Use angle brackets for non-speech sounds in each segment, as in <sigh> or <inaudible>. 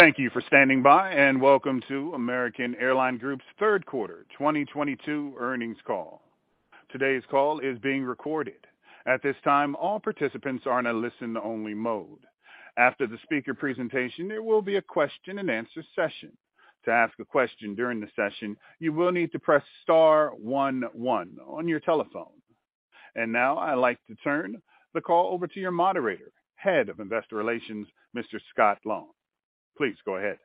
Thank you for standing by, and welcome to American Airlines Group's Q3 2022 earnings call. Today's call is being recorded. At this time, all participants are in a listen-only mode. After the speaker presentation, there will be a question-and-answer session. To ask a question during the session, you will need to press star one one on your telephone. Now I'd like to turn the call over to your moderator, Head of Investor Relations, Mr. Scott Long. Please go ahead.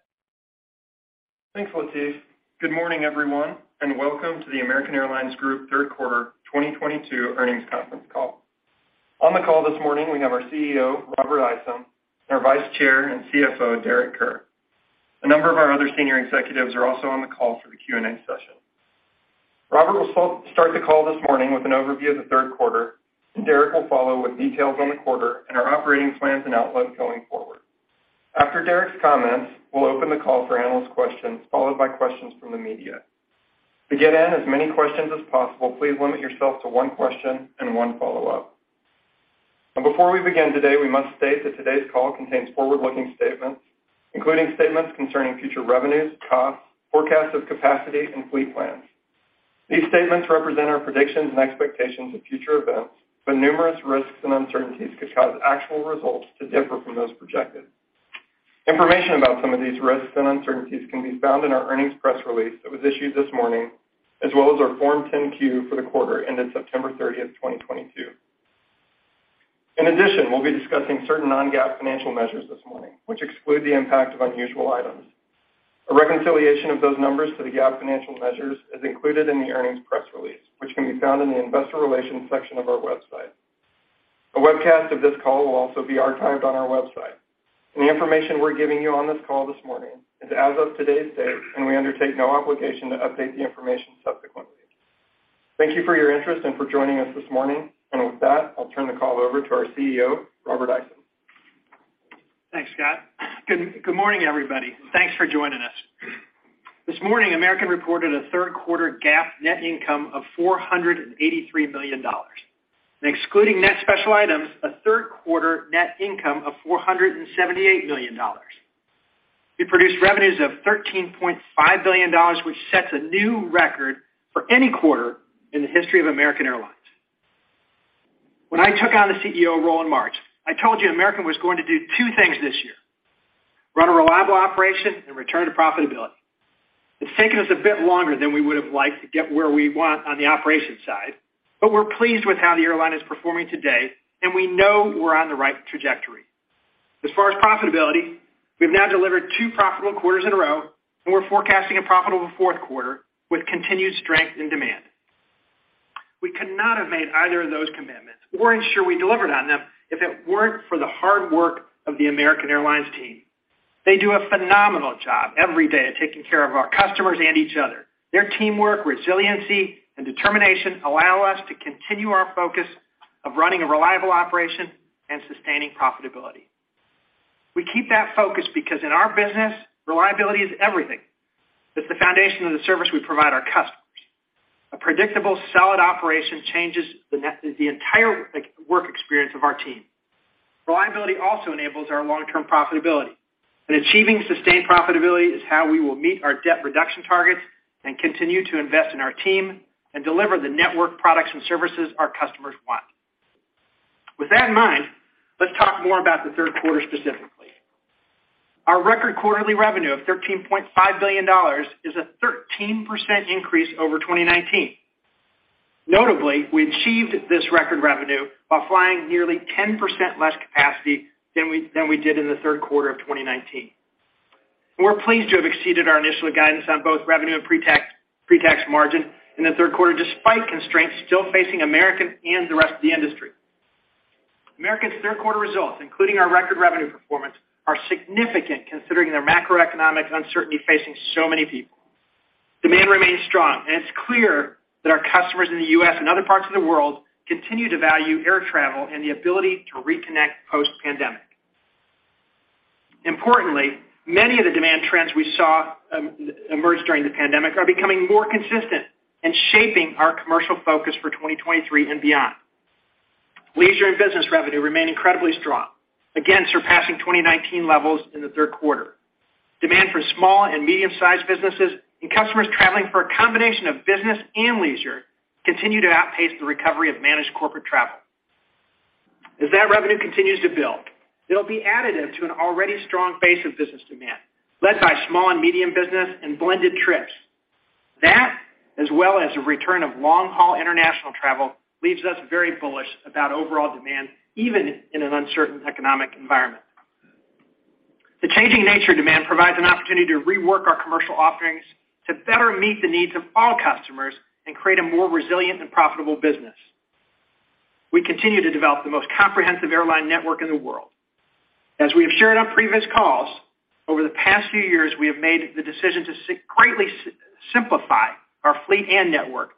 Thanks, Latif. Good morning, everyone, and welcome to the American Airlines Group Q3 2022 earnings conference call. On the call this morning, we have our CEO, Robert Isom, and our Vice Chair and CFO, Derek Kerr. A number of our other senior executives are also on the call for the Q&A session. Robert will start the call this morning with an overview of the Q3. Derek will follow with details on the quarter and our operating plans and outlook going forward. After Derek's comments, we'll open the call for analyst questions, followed by questions from the media. To get in as many questions as possible, please limit yourself to one question and one follow-up. Before we begin today, we must state that today's call contains forward-looking statements, including statements concerning future revenues, costs, forecasts of capacity, and fleet plans. These statements represent our predictions and expectations of future events, but numerous risks and uncertainties could cause actual results to differ from those projected. Information about some of these risks and uncertainties can be found in our earnings press release that was issued this morning, as well as our Form 10-Q for the quarter ending September 30th 2022. In addition, we'll be discussing certain non-GAAP financial measures this morning which exclude the impact of unusual items. A reconciliation of those numbers to the GAAP financial measures is included in the earnings press release, which can be found in the investor relations section of our website. A webcast of this call will also be archived on our website, and the information we're giving you on this call this morning is as of today's date, and we undertake no obligation to update the information subsequently. Thank you for your interest and for joining us this morning. With that, I'll turn the call over to our CEO, Robert Isom. Thanks, Scott. Good morning, everybody. Thanks for joining us. This morning, American reported a Q3 GAAP net income of $483 million, and excluding net special items, a Q3 net income of $478 million. We produced revenues of $13.5 billion, which sets a new record for any quarter in the history of American Airlines. When I took on the CEO role in March, I told you American was going to do two things this year, run a reliable operation and return to profitability. It's taken us a bit longer than we would have liked to get where we want on the operations side, but we're pleased with how the airline is performing today, and we know we're on the right trajectory. As far as profitability, we've now delivered two profitable quarters in a row, and we're forecasting a profitable Q4 with continued strength in demand. We could not have made either of those commitments or ensure we delivered on them if it weren't for the hard work of the American Airlines team. They do a phenomenal job every day of taking care of our customers and each other. Their teamwork, resiliency, and determination allow us to continue our focus of running a reliable operation and sustaining profitability. We keep that focus because in our business, reliability is everything. It's the foundation of the service we provide our customers. A predictable, solid operation changes the entire work experience of our team. Reliability also enables our long-term profitability, and achieving sustained profitability is how we will meet our debt reduction targets and continue to invest in our team and deliver the network products and services our customers want. With that in mind, let's talk more about the Q3 specifically. Our record quarterly revenue of $13.5 billion is a 13% increase over 2019. Notably, we achieved this record revenue while flying nearly 10% less capacity than we did in the Q3 of 2019. We're pleased to have exceeded our initial guidance on both revenue and pre-tax margin in the Q3, despite constraints still facing American and the rest of the industry. American's Q3 results, including our record revenue performance, are significant considering the macroeconomic uncertainty facing so many people. Demand remains strong, and it's clear that our customers in the U.S. and other parts of the world continue to value air travel and the ability to reconnect post-pandemic. Importantly, many of the demand trends we saw emerge during the pandemic are becoming more consistent and shaping our commercial focus for 2023 and beyond. Leisure and business revenue remain incredibly strong, again surpassing 2019 levels in the Q3. Demand for small and medium-sized businesses and customers traveling for a combination of business and leisure continue to outpace the recovery of managed corporate travel. As that revenue continues to build, it'll be additive to an already strong base of business demand, led by small and medium business and blended trips. That, as well as the return of long-haul international travel, leaves us very bullish about overall demand, even in an uncertain economic environment. The changing nature of demand provides an opportunity to rework our commercial offerings to better meet the needs of all customers and create a more resilient and profitable business. We continue to develop the most comprehensive airline network in the world. As we have shared on previous calls, over the past few years, we have made the decision to greatly simplify our fleet and network,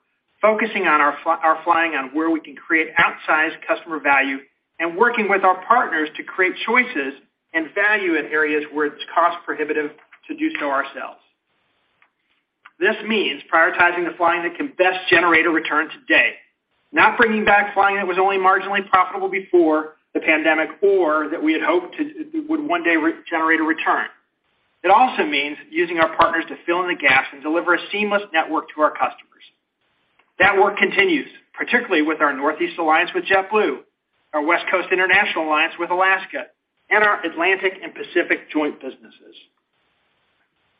focusing on our flying on where we can create outsized customer value and working with our partners to create choices and value in areas where it's cost-prohibitive to do so ourselves. This means prioritizing the flying that can best generate a return today, not bringing back flying that was only marginally profitable before the pandemic or that we had hoped to would one day re-generate a return. It also means using our partners to fill in the gaps and deliver a seamless network to our customers. That work continues, particularly with our Northeast Alliance with JetBlue, our West Coast international alliance with Alaska, and our Atlantic and Pacific joint businesses.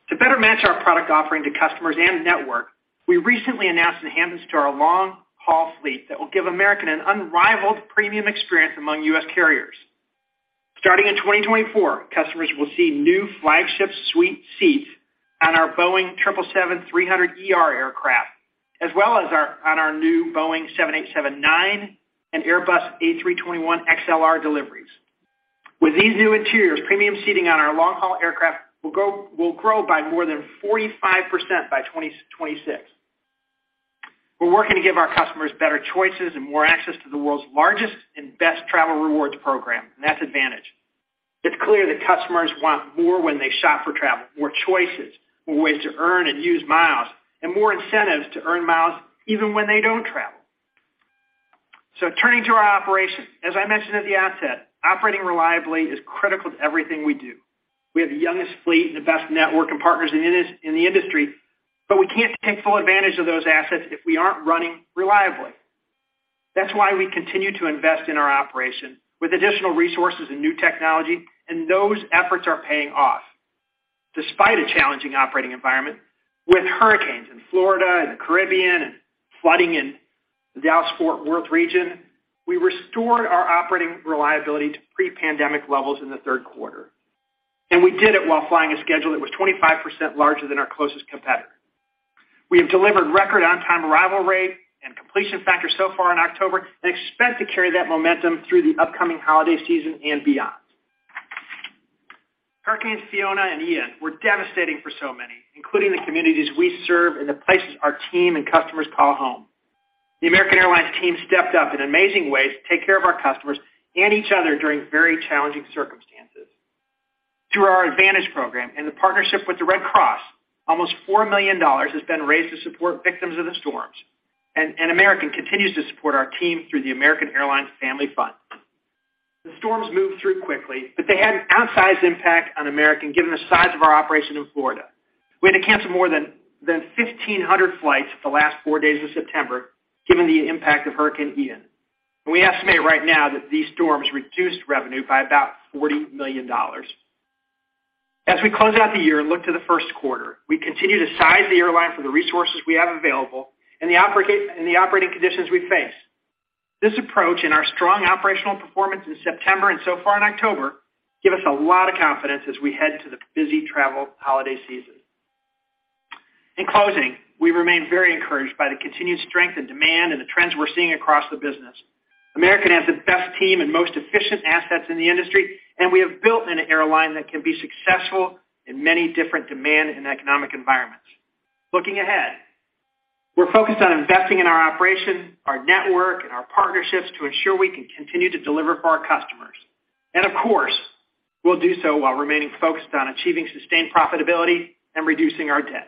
To better match our product offering to customers and network, we recently announced enhancements to our long-haul fleet that will give American an unrivaled premium experience among U.S. carriers. Starting in 2024, customers will see new Flagship Suite seats on our Boeing 777-300ER aircraft, as well as our new Boeing 787-9 and Airbus A321XLR deliveries. With these new interiors, premium seating on our long-haul aircraft will grow by more than 45% by 2026. We're working to give our customers better choices and more access to the world's largest and best travel rewards program, and that's AAdvantage. It's clear that customers want more when they shop for travel, more choices, more ways to earn and use miles, and more incentives to earn miles even when they don't travel. Turning to our operations. As I mentioned at the outset, operating reliably is critical to everything we do. We have the youngest fleet and the best network and partners in the industry, but we can't take full advantage of those assets if we aren't running reliably. That's why we continue to invest in our operation with additional resources and new technology, and those efforts are paying off. Despite a challenging operating environment with hurricanes in Florida and the Caribbean and flooding in the Dallas-Fort Worth region, we restored our operating reliability to pre-pandemic levels in the Q3, and we did it while flying a schedule that was 25% larger than our closest competitor. We have delivered record on-time arrival rate and completion factor so far in October and expect to carry that momentum through the upcoming holiday season and beyond. Hurricanes Fiona and Ian were devastating for so many, including the communities we serve and the places our team and customers call home. The American Airlines team stepped up in amazing ways to take care of our customers and each other during very challenging circumstances. Through our AAdvantage program and the partnership with the Red Cross, almost $4 million has been raised to support victims of the storms, and American continues to support our team through the American Airlines Family Fund. The storms moved through quickly, but they had an outsized impact on American, given the size of our operation in Florida. We had to cancel more than 1,500 flights the last four days of September, given the impact of Hurricane Ian. We estimate right now that these storms reduced revenue by about $40 million. As we close out the year and look to the first quarter, we continue to size the airline for the resources we have available and the operating conditions we face. This approach and our strong operational performance in September and so far in October give us a lot of confidence as we head to the busy travel holiday season. In closing, we remain very encouraged by the continued strength and demand and the trends we're seeing across the business. American has the best team and most efficient assets in the industry, and we have built an airline that can be successful in many different demand and economic environments. Looking ahead, we're focused on investing in our operation, our network, and our partnerships to ensure we can continue to deliver for our customers. Of course, we'll do so while remaining focused on achieving sustained profitability and reducing our debt.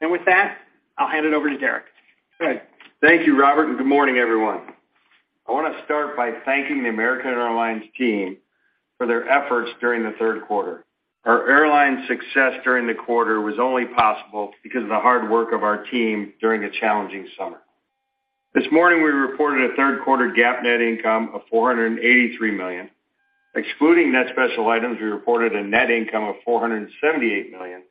With that, I'll hand it over to Derek. Great. Thank you, Robert, and good morning, everyone. I wanna start by thanking the American Airlines team for their efforts during the Q3. Our airline's success during the quarter was only possible because of the hard work of our team during a challenging summer. This morning, we reported a Q3 GAAP net income of $483 million. Excluding net special items, we reported a net income of $478 million.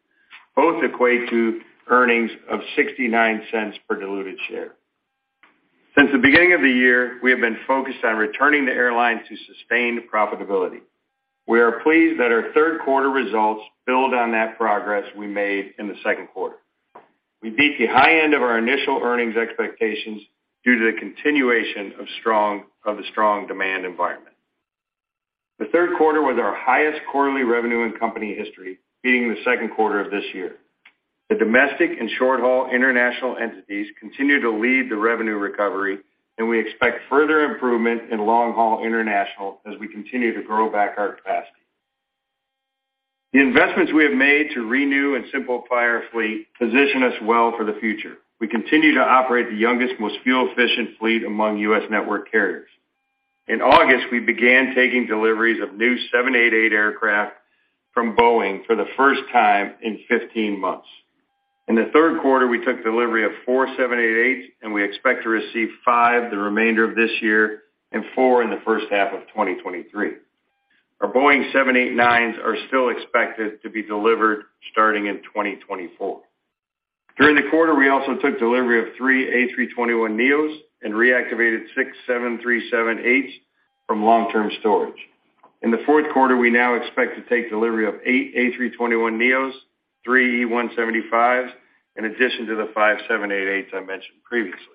Both equate to earnings of $0.69 per diluted share. Since the beginning of the year, we have been focused on returning the airline to sustained profitability. We are pleased that our Q3 results build on that progress we made in the Q2. We beat the high end of our initial earnings expectations due to the continuation of strong demand environment. The Q3 was our highest quarterly revenue in company history, beating the Q2 of this year. The domestic and short-haul international entities continue to lead the revenue recovery, and we expect further improvement in long-haul international as we continue to grow back our capacity. The investments we have made to renew and simplify our fleet position us well for the future. We continue to operate the youngest, most fuel-efficient fleet among U.S. network carriers. In August, we began taking deliveries of new 787 aircraft from Boeing for the first time in 15 months. In the Q3, we took delivery of four 787s, and we expect to receive five the remainder of this year and four in the first half of 2023. Our Boeing 787-9s are still expected to be delivered starting in 2024. During the quarter, we also took delivery of three A321neos and reactivated six 737-8s from long-term storage. In the Q4, we now expect to take delivery of eight A321neos, three E175s, in addition to the five 787-8s I mentioned previously.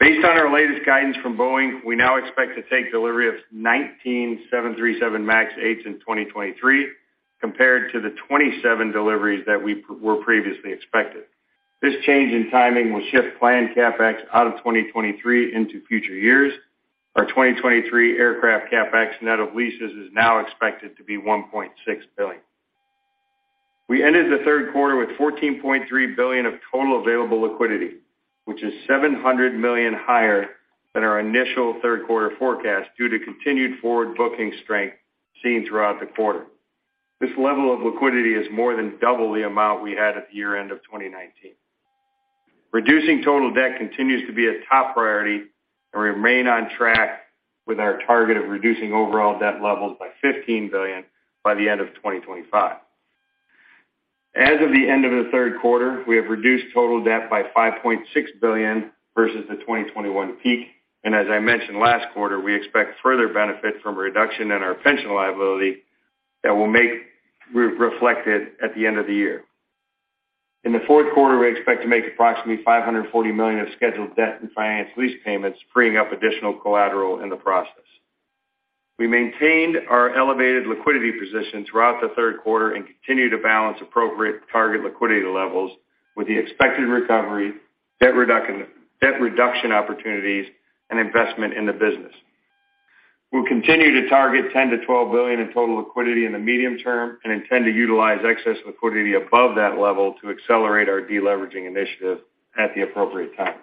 Based on our latest guidance from Boeing, we now expect to take delivery of 19 737 MAX 8s in 2023 compared to the 27 deliveries that we were previously expected. This change in timing will shift planned CapEx out of 2023 into future years. Our 2023 aircraft CapEx net of leases is now expected to be $1.6 billion. We ended the Q3 with $14.3 billion of total available liquidity, which is $700 million higher than our initial Q3 forecast due to continued forward booking strength seen throughout the quarter. This level of liquidity is more than double the amount we had at the year-end of 2019. Reducing total debt continues to be a top priority, and we remain on track with our target of reducing overall debt levels by $15 billion by the end of 2025. As of the end of the Q3, we have reduced total debt by $5.6 billion versus the 2021 peak. As I mentioned last quarter, we expect further benefit from a reduction in our pension liability that will be reflected at the end of the year. In the Q4, we expect to make approximately $540 million of scheduled debt and finance lease payments, freeing up additional collateral in the process. We maintained our elevated liquidity position throughout the Q3 and continue to balance appropriate target liquidity levels with the expected recovery, debt reduction opportunities, and investment in the business. We'll continue to target $10 billion-$12 billion in total liquidity in the medium term and intend to utilize excess liquidity above that level to accelerate our deleveraging initiative at the appropriate time.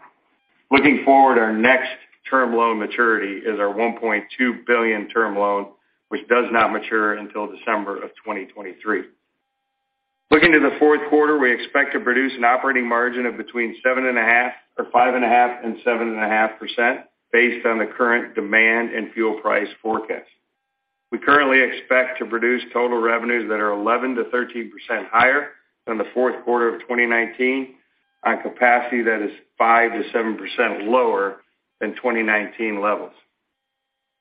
Looking forward, our next term loan maturity is our $1.2 billion term loan, which does not mature until December of 2023. Looking to the Q4, we expect to produce an operating margin of between 5.5% and 7.5% based on the current demand and fuel price forecast. We currently expect to produce total revenues that are 11%-13% higher than the Q4 of 2019 on capacity that is 5%-7% lower than 2019 levels.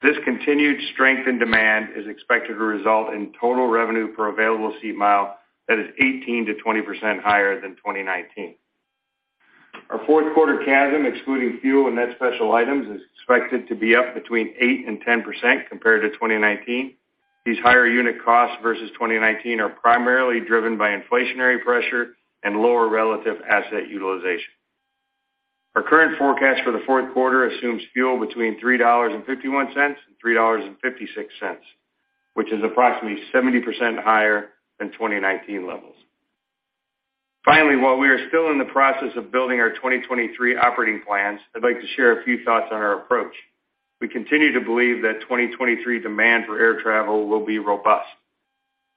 This continued strength in demand is expected to result in total revenue per available seat mile that is 18%-20% higher than 2019. Our Q4 CASM, excluding fuel and net special items, is expected to be up between 8% and 10% compared to 2019. These higher unit costs versus 2019 are primarily driven by inflationary pressure and lower relative asset utilization. Our current forecast for the Q4 assumes fuel between $3.51 and $3.56, which is approximately 70% higher than 2019 levels. Finally, while we are still in the process of building our 2023 operating plans, I'd like to share a few thoughts on our approach. We continue to believe that 2023 demand for air travel will be robust.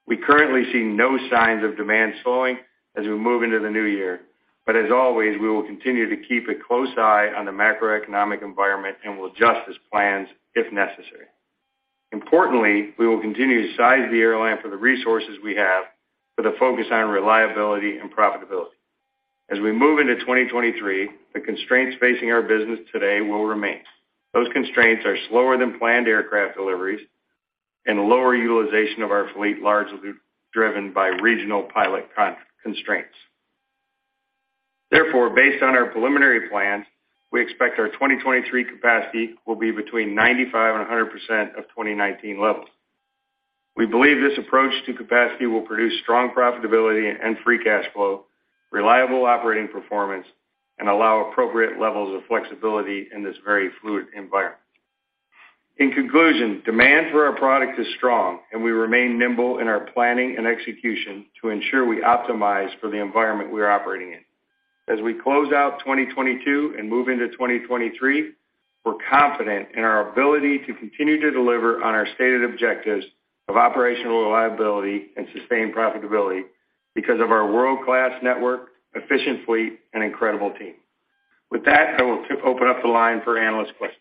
We currently see no signs of demand slowing as we move into the new year. As always, we will continue to keep a close eye on the macroeconomic environment and will adjust our plans if necessary. Importantly, we will continue to size the airline for the resources we have with a focus on reliability and profitability. As we move into 2023, the constraints facing our business today will remain. Those constraints are slower than planned aircraft deliveries and lower utilization of our fleet, largely driven by regional pilot constraints. Therefore, based on our preliminary plans, we expect our 2023 capacity will be between 95% and 100% of 2019 levels. We believe this approach to capacity will produce strong profitability and free cash flow, reliable operating performance, and allow appropriate levels of flexibility in this very fluid environment. In conclusion, demand for our product is strong, and we remain nimble in our planning and execution to ensure we optimize for the environment we are operating in. As we close out 2022 and move into 2023, we're confident in our ability to continue to deliver on our stated objectives of operational reliability and sustained profitability because of our world-class network, efficient fleet, and incredible team. With that, I will open up the line for analyst questions.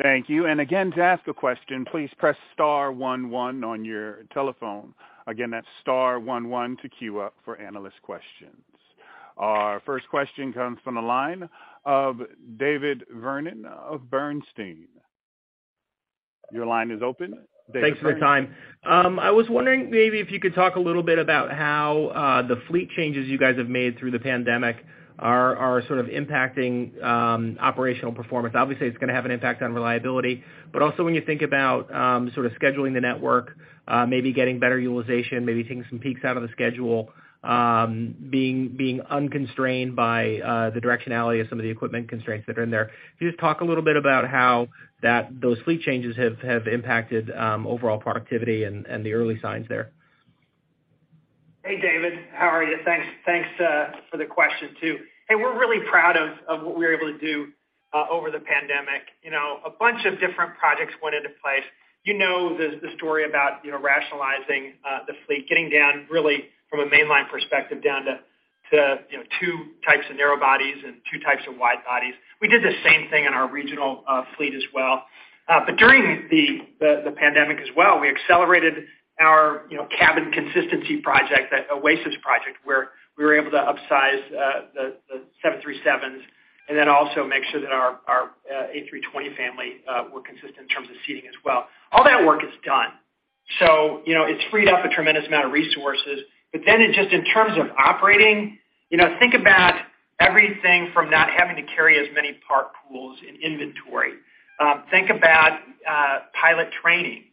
Thank you. Again, to ask a question, please press star one one on your telephone. Again, that's star one one to queue up for analyst questions. Our first question comes from the line of David Vernon of Bernstein. Your line is open. Thanks for the time. I was wondering maybe if you could talk a little bit about how the fleet changes you guys have made through the pandemic are sort of impacting operational performance. Obviously, it's gonna have an impact on reliability, but also when you think about sort of scheduling the network, maybe getting better utilization, maybe taking some peaks out of the schedule, being unconstrained by the directionality of some of the equipment constraints that are in there. Can you just talk a little bit about how those fleet changes have impacted overall productivity and the early signs there? Hey, David, how are you? Thanks for the question, too. Hey, we're really proud of what we were able to do over the pandemic. You know, a bunch of different projects went into place. You know the story about, you know, rationalizing the fleet, getting down really from a mainline perspective down to you know, two types of narrow bodies and two types of wide bodies. We did the same thing in our regional fleet as well. During the pandemic as well, we accelerated our, you know, cabin consistency project, that Oasis Project, where we were able to upsize the 737s and then also make sure that our A320 family were consistent in terms of seating as well. All that work is done. You know, it's freed up a tremendous amount of resources. It just in terms of operating, you know, think about everything from not having to carry as many part pools in inventory. Think about pilot training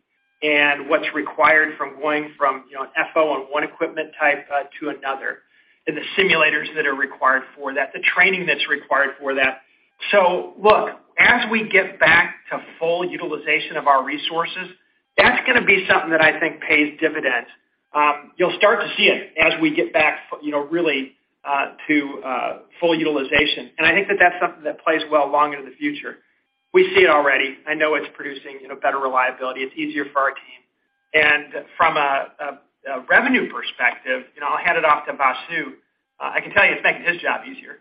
and what's required from going from, you know, an FO on one equipment type, to another, and the simulators that are required for that, the training that's required for that. Look, as we get back to full utilization of our resources, that's gonna be something that I think pays dividends. You'll start to see it as we get back you know, really, to full utilization. I think that that's something that plays well long into the future. We see it already. I know it's producing, you know, better reliability. It's easier for our team. From a revenue perspective, you know, I'll hand it off to Vasu. I can tell you it's making his job easier.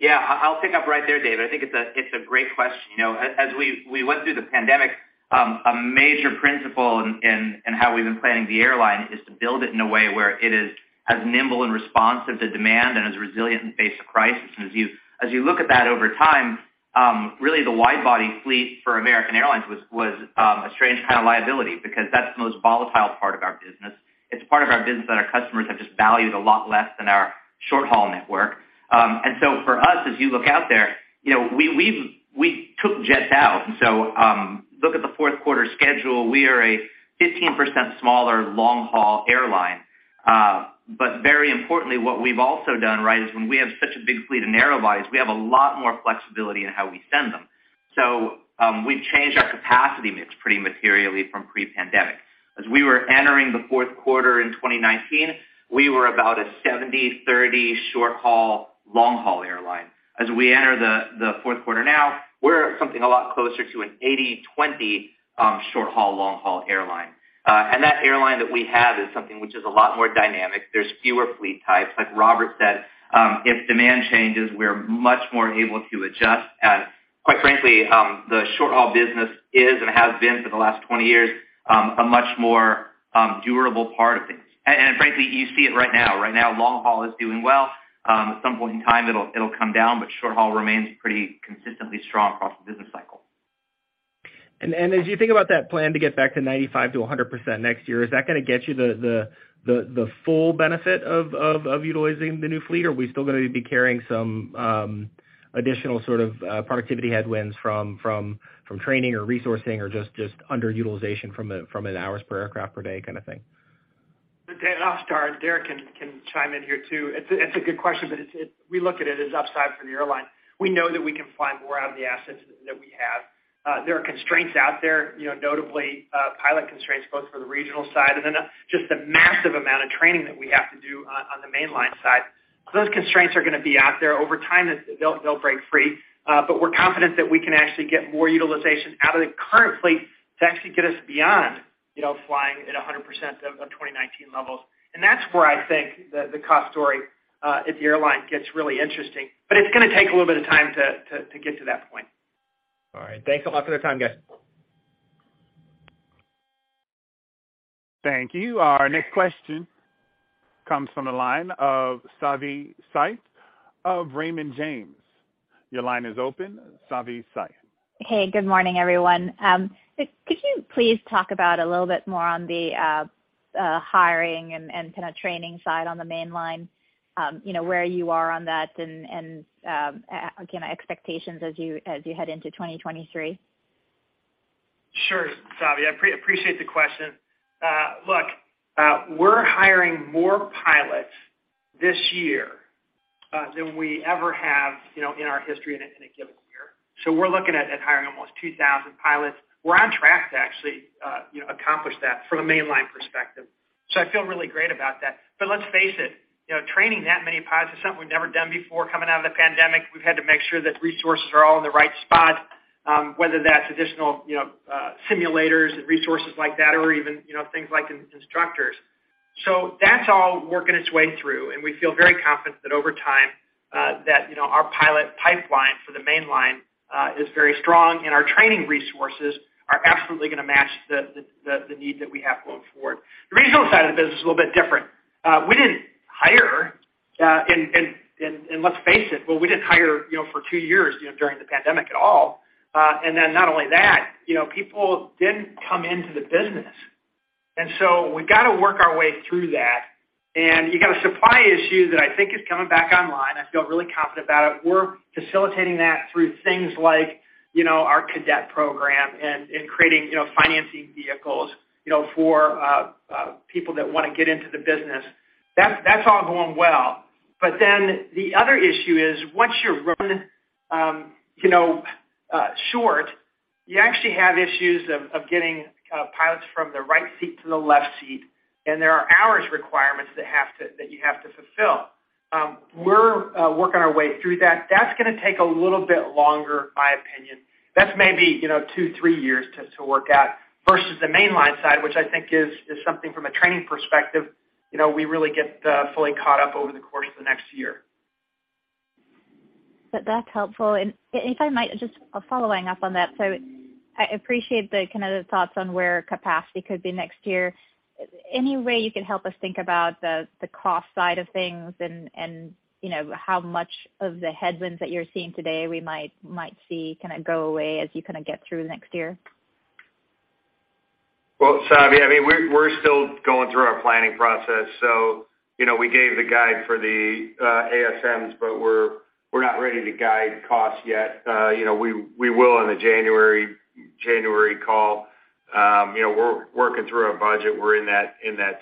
Yeah. I'll pick up right there, David. I think it's a great question. You know, as we went through the pandemic, a major principle in how we've been planning the airline is to build it in a way where it is as nimble and responsive to demand and as resilient in the face of crisis. As you look at that over time, really the wide body fleet for American Airlines was a strange kind of liability because that's the most volatile part of our business. It's part of our business that our customers have just valued a lot less than our short-haul network. For us, as you look out there, you know, we took jets out. Look at the Q4 schedule, we are a 15% smaller long-haul airline. But very importantly, what we've also done, right, is when we have such a big fleet of narrow bodies, we have a lot more flexibility in how we send them. We've changed our capacity mix pretty materially from pre-pandemic. As we were entering the Q4 in 2019, we were about a 70/30 short-haul, long-haul airline. As we enter the Q4 now, we're something a lot closer to an 80/20 short-haul, long-haul airline. And that airline that we have is something which is a lot more dynamic. There's fewer fleet types. Like Robert said, if demand changes, we're much more able to adjust. Quite frankly, the short-haul business is and has been for the last 20 years a much more durable part of things. Frankly, you see it right now. Right now, long-haul is doing well. At some point in time, it'll come down, but short-haul remains pretty consistently strong across the business cycle. As you think about that plan to get back to 95%-100% next year, is that gonna get you the full benefit of utilizing the new fleet, or are we still gonna be carrying some additional sort of productivity headwinds from training or resourcing or just underutilization from an hours per aircraft per day kind of thing? Okay. I'll start. Derek can chime in here too. It's a good question, but we look at it as upside for the airline. We know that we can find more out of the assets that we have. There are constraints out there, you know, notably, pilot constraints both for the regional side and then, just the massive amount of training that we have to do on the mainline side. Those constraints are gonna be out there. Over time, they'll break free. We're confident that we can actually get more utilization out of the current fleet to actually get us beyond, you know, flying at 100% of 2019 levels. That's where I think the cost story at the airline gets really interesting. It's gonna take a little bit of time to get to that point. All right. Thanks a lot for the time, guys. Thank you. Our next question comes from the line of Savi Syth of Raymond James. Your line is open, Savi Syth. Hey, good morning, everyone. Could you please talk about a little bit more on the hiring and kind of training side on the mainline, you know, where you are on that and again, expectations as you head into 2023? Sure, Savi. I appreciate the question. Look, we're hiring more pilots this year than we ever have, you know, in our history in a given year. We're looking at hiring almost 2,000 pilots. We're on track to actually, you know, accomplish that from a mainline perspective. I feel really great about that. Let's face it, you know, training that many pilots is something we've never done before. Coming out of the pandemic, we've had to make sure that resources are all in the right spot, whether that's additional, you know, simulators and resources like that or even, you know, things like instructors. That's all working its way through, and we feel very confident that over time our pilot pipeline for the mainline is very strong, and our training resources are absolutely gonna match the need that we have going forward. The regional side of the business is a little bit different. We didn't hire, and let's face it, well, we didn't hire for two years during the pandemic at all. Then not only that, you know, people didn't come into the business. We've got to work our way through that. You got a supply issue that I think is coming back online. I feel really confident about it. We're facilitating that through things like, you know, our cadet program and creating, you know, financing vehicles, you know, for people that wanna get into the business. That's all going well. But then the other issue is once you run, you know, short, you actually have issues of getting pilots from the right seat to the left seat, and there are hours requirements that you have to fulfill. We're working our way through that. That's gonna take a little bit longer, in my opinion. That's maybe, you know, two, three years to work out versus the mainline side, which I think is something from a training perspective, you know, we really get fully caught up over the course of the next year. That's helpful. If I might just following up on that, so I appreciate the kind of thoughts on where capacity could be next year. Any way you could help us think about the cost side of things and, you know, how much of the headwinds that you're seeing today we might see kind of go away as you kind of get through next year? Well, Savi, I mean, we're still going through our planning process. You know, we gave the guide for the ASMs, but we're not ready to guide costs yet. You know, we will on the January call. You know, we're working through our budget. We're in that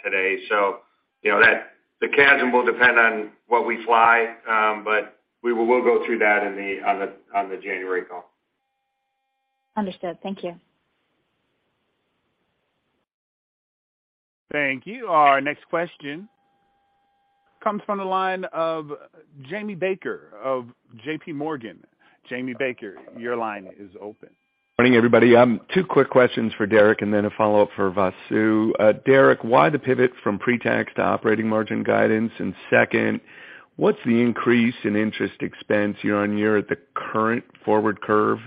today. You know that the CASM will depend on what we fly, but we will go through that on the January call. Understood. Thank you. Thank you. Our next question comes from the line of Jamie Baker of JPMorgan. Jamie Baker, your line is open. Morning, everybody. Two quick questions for Derek and then a follow-up for Vasu. Derek, why the pivot from pre-tax to operating margin guidance? Second, what's the increase in interest expense year-on-year at the current forward curve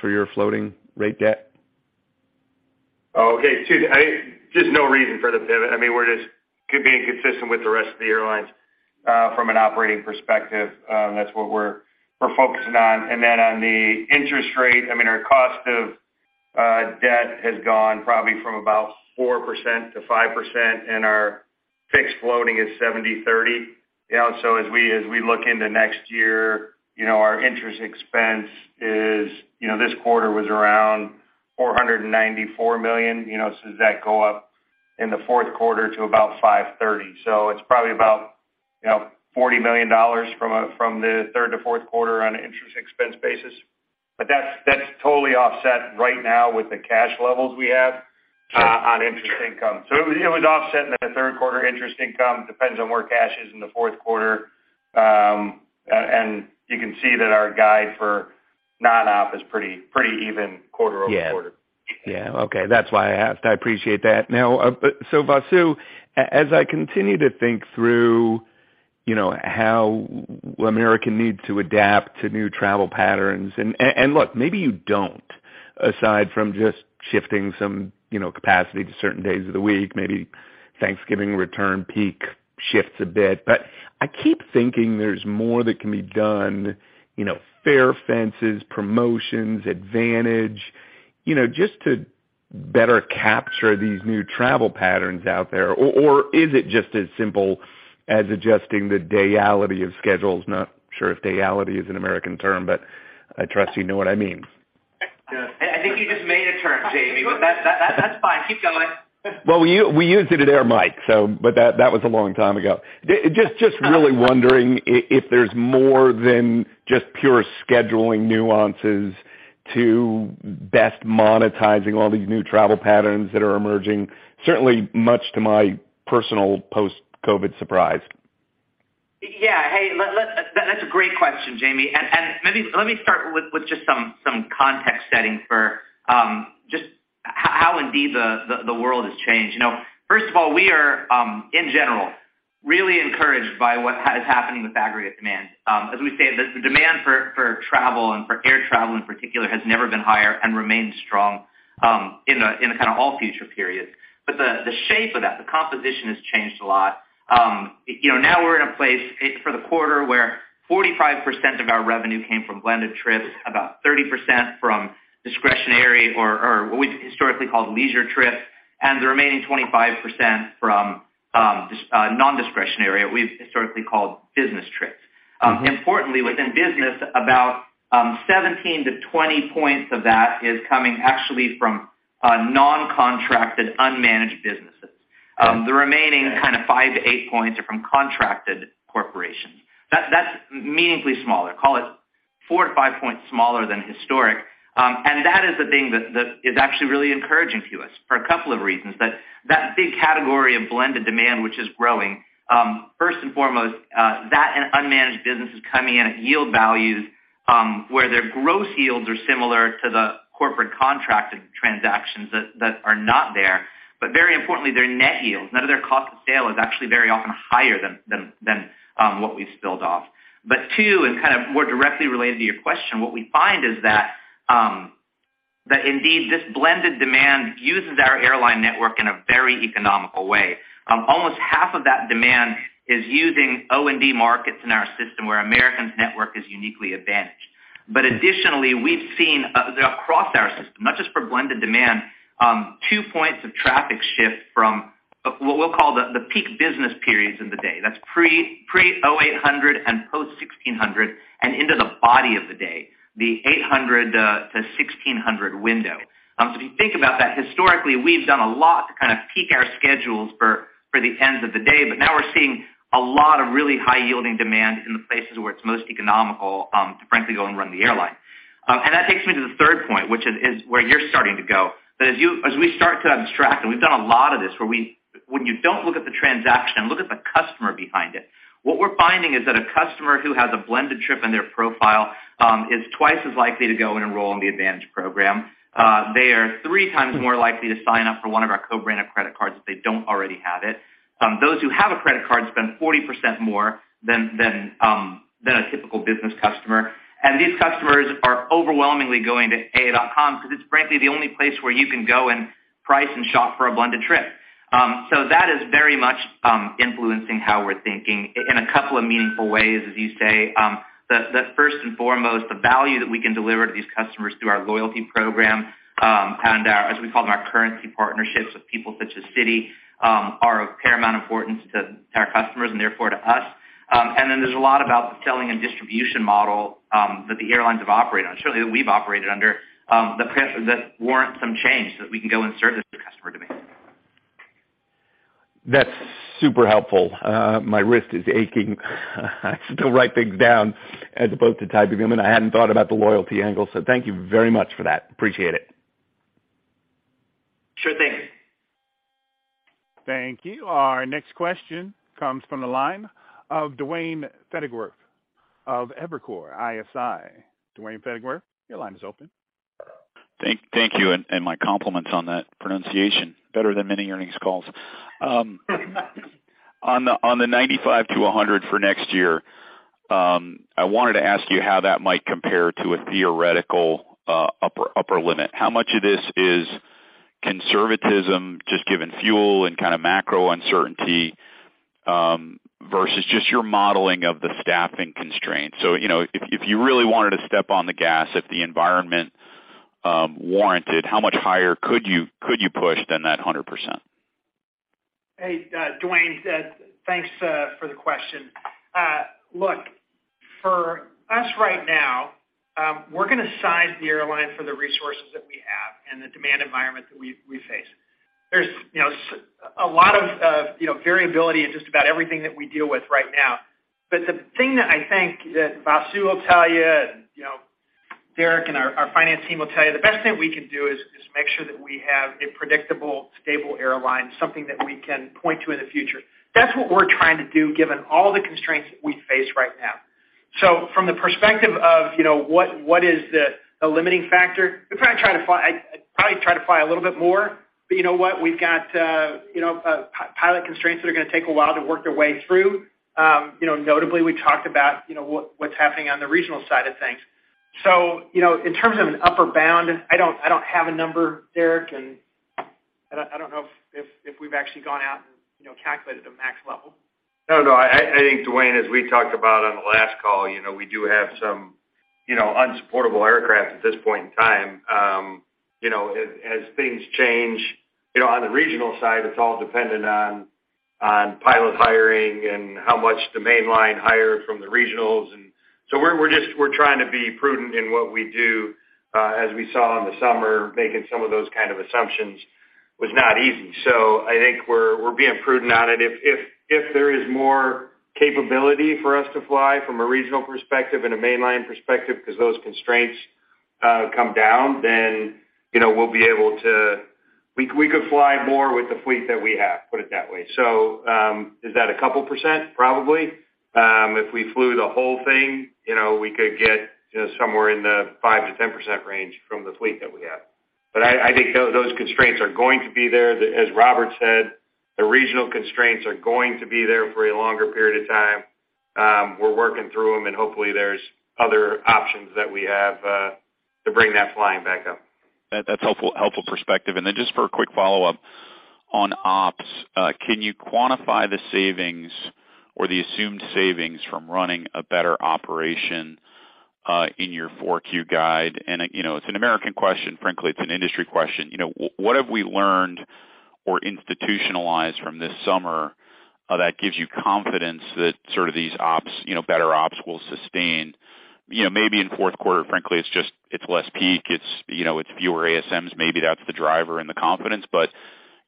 for your floating rate debt? Okay. Two, just no reason for the pivot. I mean, we're just being consistent with the rest of the airlines from an operating perspective. That's what we're focusing on. Then on the interest rate, I mean, our cost of debt has gone probably from about 4% to 5%, and our fixed floating is 70/30. As we look into next year, our interest expense this quarter was around $494 million. Does that go up in the Q4 to about $530? It's probably about $40 million from the third to Q4 on an interest expense basis. That's totally offset right now with the cash levels we have on interest income. It was offset in the Q3 interest income, depends on where cash is in the Q4. You can see that our guide for non-op is pretty even quarter-over-quarter. Yeah. Okay. That's why I asked. I appreciate that. Now, Vasu, as I continue to think through, you know, how American needs to adapt to new travel patterns, and look, maybe you don't, aside from just shifting some, you know, capacity to certain days of the week, maybe Thanksgiving return peak shifts a bit. I keep thinking there's more that can be done, you know, fare fences, promotions, advantage, you know, just to better capture these new travel patterns out there. Is it just as simple as adjusting the flexibility of schedules? Not sure if flexibility is an American term, but I trust you know what I mean. I think you just made a term, Jamie, but that's fine. Keep going. Well, we used it at Air Mic, but that was a long time ago. Just really wondering if there's more than just pure scheduling nuances to best monetizing all these new travel patterns that are emerging, certainly much to my personal post-COVID surprise. Yeah. Hey, that's a great question, Jamie. Let me start with just some context setting for just how indeed the world has changed. You know, first of all, we are in general, really encouraged by what is happening with aggregate demand. As we say, the demand for travel and for air travel in particular has never been higher and remains strong in a kind of all future periods. The shape of that, the composition has changed a lot. You know, now we're in a place for the quarter where 45% of our revenue came from blended trips, about 30% from discretionary or what we historically called leisure trips, and the remaining 25% from non-discretionary, what we've historically called business trips. Importantly, within business about 17-20 points of that is coming actually from non-contracted unmanaged businesses. The remaining kind of five, 8 points are from contracted corporations. That's meaningfully smaller, call it four, 5 points smaller than historic. That is the thing that is actually really encouraging to us for a couple of reasons. That big category of blended demand, which is growing, first and foremost, that and unmanaged business is coming in at yield values, where their gross yields are similar to the corporate contracted transactions that are not there, but very importantly, their net yields. None of their cost of sale is actually very often higher than what we see. Two, and kind of more directly related to your question, what we find is that indeed this blended demand uses our airline network in a very economical way. Almost half of that demand is using O&D markets in our system where American's network is uniquely advantaged. Additionally, we've seen across our system, not just for blended demand, 2 points of traffic shift from what we'll call the peak business periods in the day. That's pre-8:00 A.M. and post-4:00 P.M. and into the body of the day, the 8:00 A.M. to 4:00 P.M. window. If you think about that historically, we've done a lot to kind of peak our schedules for the ends of the day, but now we're seeing a lot of really high-yielding demand in the places where it's most economical to frankly go and run the airline. That takes me to the third point, which is where you're starting to go, that as we start to abstract, and we've done a lot of this, when you don't look at the transaction, look at the customer behind it. What we're finding is that a customer who has a blended trip in their profile is twice as likely to go and enroll in the AAdvantage program. They are 3x more likely to sign up for one of our co-branded credit cards if they don't already have it. Those who have a credit card spend 40% more than a typical business customer. These customers are overwhelmingly going to aa.com because it's frankly the only place where you can go and price and shop for a blended trip. That is very much influencing how we're thinking in a couple of meaningful ways, as you say. The first and foremost, the value that we can deliver to these customers through our loyalty program and our, as we call them, our currency partnerships with people such as Citi are of paramount importance to our customers and therefore to us. There's a lot about the selling and distribution model that the airlines have operated on. Surely, that we've operated under the premise that warrants some change that we can go and serve the customer demand. That's super helpful. My wrist is aching to write things down as opposed to typing them. I hadn't thought about the loyalty angle, so thank you very much for that. Appreciate it. Sure thing. Thank you. Our next question comes from the line of Duane Pfennigwerth of Evercore ISI. Duane Pfennigwerth, your line is open. Thank you, and my compliments on that pronunciation. Better than many earnings calls. On the 95%-100% for next year, I wanted to ask you how that might compare to a theoretical upper limit. How much of this is conservatism just given fuel and kinda macro uncertainty versus just your modeling of the staffing constraints? You know, if you really wanted to step on the gas, if the environment warranted, how much higher could you push than that 100%? Hey, Duane, thanks for the question. Look, for us right now, we're gonna size the airline for the resources that we have and the demand environment that we face. There's a lot of variability in just about everything that we deal with right now. The thing that I think that Vasu will tell you, and you know, Derek and our finance team will tell you, the best thing we can do is make sure that we have a predictable, stable airline, something that we can point to in the future. That's what we're trying to do given all the constraints that we face right now. From the perspective of what is the limiting factor, I'd probably try to fly a little bit more, but you know what? We've got pilot constraints that are gonna take a while to work their way through. You know, notably, we talked about what's happening on the regional side of things. You know, in terms of an upper bound, I don't have a number, Derek, and I don't know if we've actually gone out and calculated a max level. No, I think, Duane, as we talked about on the last call, you know, we do have some, you know, unsupportable aircraft at this point in time. You know, as things change, you know, on the regional side, it's all dependent on pilot hiring and how much the mainline hire from the regionals. We're just trying to be prudent in what we do. As we saw in the summer, making some of those kind of assumptions was not easy. I think we're being prudent on it. If there is more capability for us to fly from a regional perspective and a mainline perspective because those constraints come down, then, you know, we'll be able to. We could fly more with the fleet that we have, put it that way. Is that a couple percent? Probably. If we flew the whole thing, you know, we could get, you know, somewhere in the 5%-10% range from the fleet that we have. I think those constraints are going to be there. As Robert said, the regional constraints are going to be there for a longer period of time. We're working through them, and hopefully, there's other options that we have to bring that flying back up. That's helpful perspective. Just for a quick follow-up on ops, can you quantify the savings or the assumed savings from running a better operation, in your 4Q guide? You know, it's an American question. Frankly, it's an industry question. You know, what have we learned or institutionalized from this summer, that gives you confidence that sort of these ops, you know, better ops will sustain? You know, maybe in Q4, frankly, it's just, it's less peak. It's... You know, fewer ASMs. Maybe that's the driver and the confidence.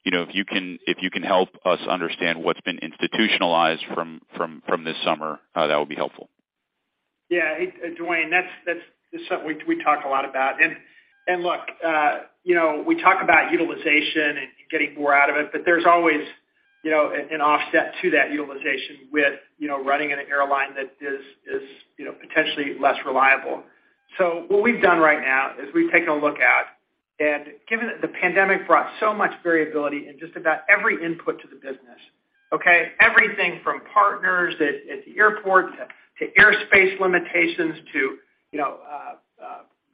You know, if you can help us understand what's been institutionalized from this summer, that would be helpful. Yeah. Hey, Duane, that's something we talk a lot about. Look, you know, we talk about utilization and getting more out of it, but there's always, you know, an offset to that utilization with, you know, running an airline that is, you know, potentially less reliable. What we've done right now is we've taken a look at, and given that the pandemic brought so much variability in just about every input to the business, okay? Everything from partners at the airport to airspace limitations, to, you know,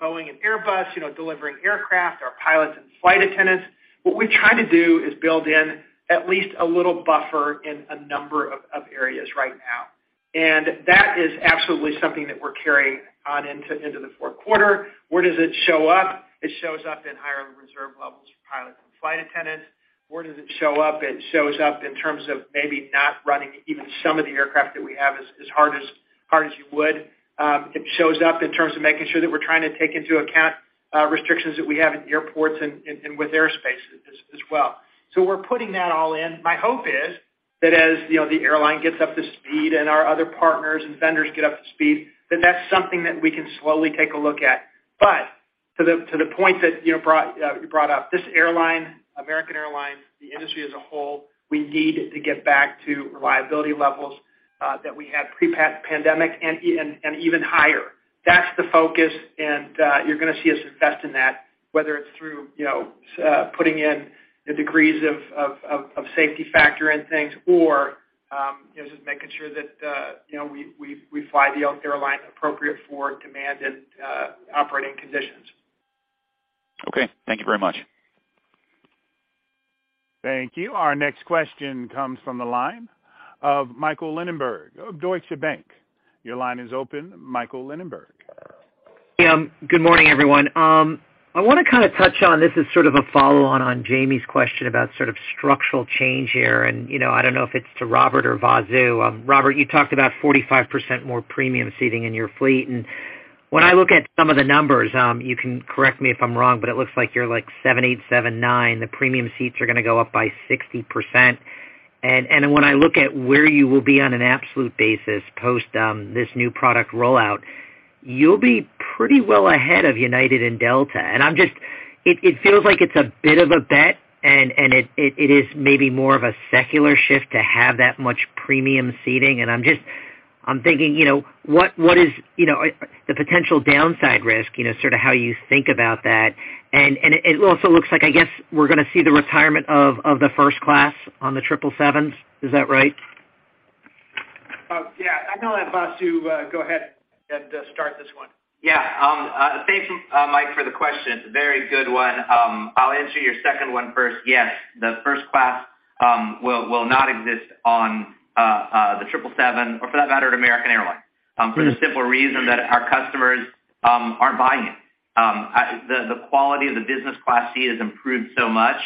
Boeing and Airbus, you know, delivering aircraft, our pilots and flight attendants. What we try to do is build in at least a little buffer in a number of areas right now. That is absolutely something that we're carrying on into the Q4. Where does it show up? It shows up in higher reserve levels for pilots and flight attendants. Where does it show up? It shows up in terms of maybe not running even some of the aircraft that we have as hard as you would. It shows up in terms of making sure that we're trying to take into account restrictions that we have in airports and with airspace as well. We're putting that all in. My hope is that as you know, the airline gets up to speed and our other partners and vendors get up to speed, then that's something that we can slowly take a look at. To the point that you know you brought up, this airline, American Airlines, the industry as a whole, we need to get back to reliability levels that we had pre-pandemic and even higher. That's the focus, and you're gonna see us invest in that, whether it's through you know putting in the degrees of safety factor in things or you know just making sure that you know we fly the airline appropriate for demand and operating conditions. Okay. Thank you very much. Thank you. Our next question comes from the line of Michael Linenberg of Deutsche Bank. Your line is open, Michael Linenberg. Good morning, everyone. I wanna kind of touch on this is sort of a follow-on on Jamie's question about sort of structural change here. You know, I don't know if it's to Robert or Vasu. Robert, you talked about 45% more premium seating in your fleet. When I look at some of the numbers, you can correct me if I'm wrong, but it looks like you're like 78, 79. The premium seats are gonna go up by 60%. When I look at where you will be on an absolute basis post this new product rollout, you'll be pretty well ahead of United and Delta. It feels like it's a bit of a bet, and it is maybe more of a secular shift to have that much premium seating. I'm thinking, you know, what is, you know, the potential downside risk, you know, sort of how you think about that. It also looks like, I guess, we're gonna see the retirement of the first class on the triple 7s. Is that right? Yeah, I know that, Vasu. Go ahead and start this one. Yeah. Thanks, Mike, for the question. Very good one. I'll answer your second one first. Yes, the first class will not exist on the triple seven or for that matter, at American Airlines, for the simple reason that our customers aren't buying it. The quality of the business class seat has improved so much.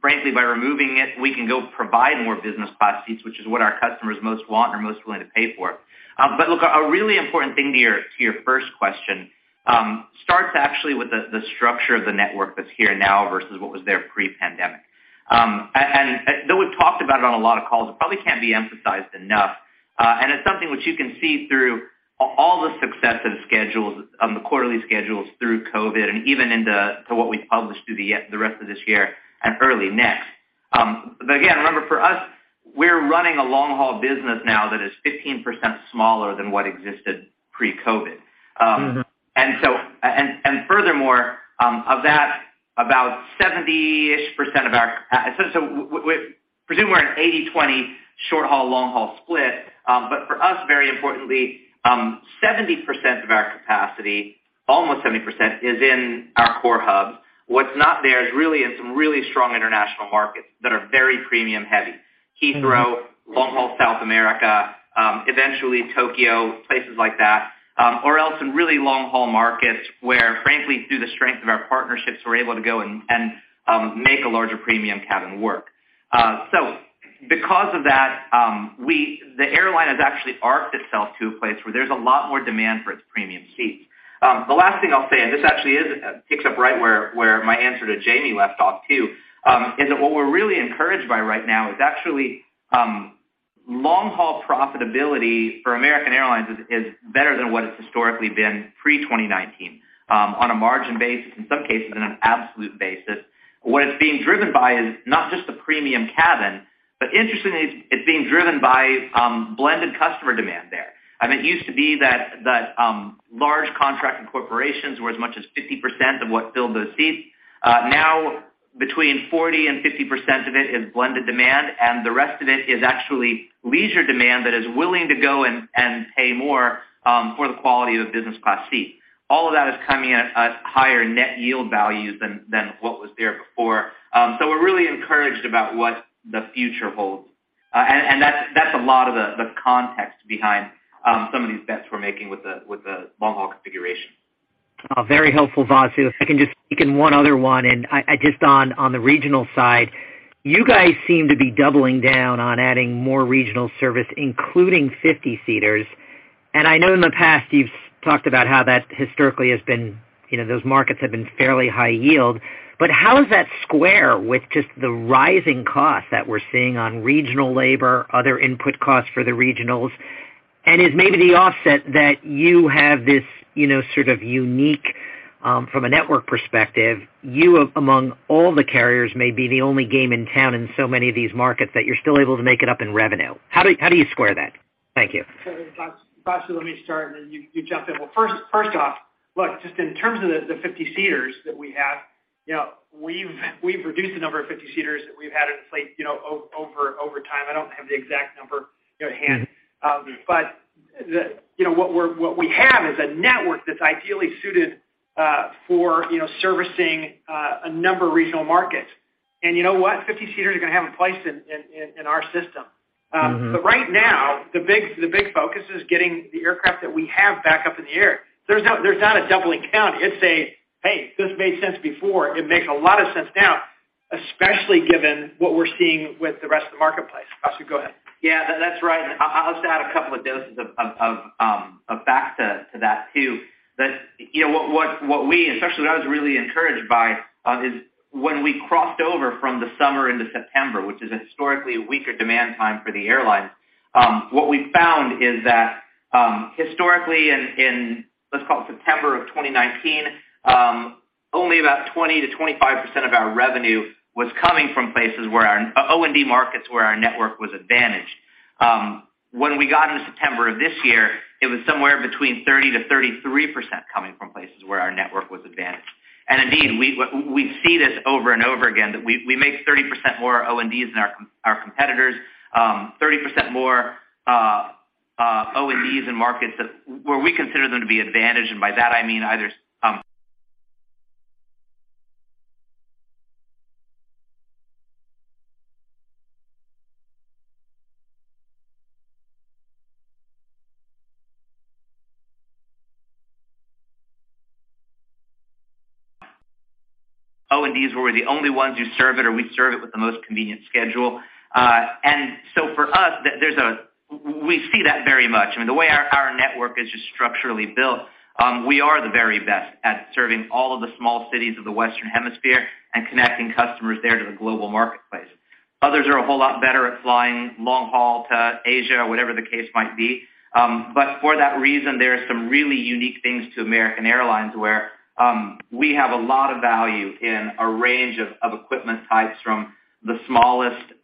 Frankly, by removing it, we can provide more business class seats, which is what our customers most want or are most willing to pay for. Look, a really important thing to your first question starts actually with the structure of the network that's here now versus what was there pre-pandemic. Though we've talked about it on a lot of calls, it probably can't be emphasized enough. It's something which you can see through all the successive schedules on the quarterly schedules through COVID and even into what we published through the rest of this year and early next. Again, remember, for us, we're running a long-haul business now that is 15% smaller than what existed pre-COVID. Mm-hmm. Furthermore, of that, about 70-ish%. We presume we're an 80/20 short-haul, long-haul split. For us, very importantly, 70% of our capacity, almost 70% is in our core hubs. What's not there is really in some really strong international markets that are very premium-heavy. Heathrow, long-haul South America, eventually Tokyo, places like that, or else in really long-haul markets, where frankly, through the strength of our partnerships, we're able to go and make a larger premium cabin work. Because of that, the airline has actually arced itself to a place where there's a lot more demand for its premium seats. The last thing I'll say, and this actually picks up right where my answer to Jamie left off too, is that what we're really encouraged by right now is actually long-haul profitability for American Airlines is better than what it's historically been pre-2019, on a margin basis, in some cases on an absolute basis. What it's being driven by is not just the premium cabin, but interestingly, it's being driven by blended customer demand there. I mean, it used to be that that large contracted corporations were as much as 50% of what filled those seats. Now between 40%-50% of it is blended demand, and the rest of it is actually leisure demand that is willing to go and pay more for the quality of the business class seat. All of that is coming at higher net yield values than what was there before. We're really encouraged about what the future holds. That's a lot of the context behind some of these bets we're making with the long-haul configuration. Very helpful, Vasu. If I can one other one, I just on the regional side, you guys seem to be doubling down on adding more regional service, including 50-seaters. I know in the past you've talked about how that historically has been, you know, those markets have been fairly high yield. But how does that square with just the rising cost that we're seeing on regional labor, other input costs for the regionals? Is maybe the offset that you have this, you know, sort of unique, from a network perspective, you among all the carriers may be the only game in town in so many of these markets that you're still able to make it up in revenue. How do you square that? Thank you. Vasu, let me start, and then you jump in. Well, first off, look, just in terms of the 50-seaters that we have, you know, we've reduced the number of 50-seaters that we've had in place, you know, over time. I don't have the exact number at hand. But you know, what we have is a network that's ideally suited for you know, servicing a number of regional markets. And you know what? 50-seaters are gonna have a place in our system. But right now, the big focus is getting the aircraft that we have back up in the air. There's not a doubling count. It's, "Hey, this made sense before. It makes a lot of sense now," especially given what we're seeing with the rest of the marketplace. Vasu, go ahead. Yeah, that's right. I'll just add a couple of doses of facts to that too. You know, what we, especially what I was really encouraged by, is when we crossed over from the summer into September, which is historically a weaker demand time for the airline. What we found is that historically in let's call it September of 2019, only about 20%-25% of our revenue was coming from places where our O&D markets where our network was advantaged. When we got into September of this year, it was somewhere between 30%-33% coming from places where our network was advantaged. Indeed, we see this over and over again, that we make 30% more O&Ds than our competitors, 30% more O&Ds in markets that we consider to be an advantage, and by that I mean either O&Ds where we're the only ones who serve it or we serve it with the most convenient schedule. For us, there's a way we see that very much. I mean, the way our network is just structurally built, we are the very best at serving all of the small cities of the Western Hemisphere and connecting customers there to the global marketplace. Others are a whole lot better at flying long-haul to Asia or whatever the case might be. For that reason, there are some really unique things to American Airlines where we have a lot of value in a range of equipment types from the smallest 50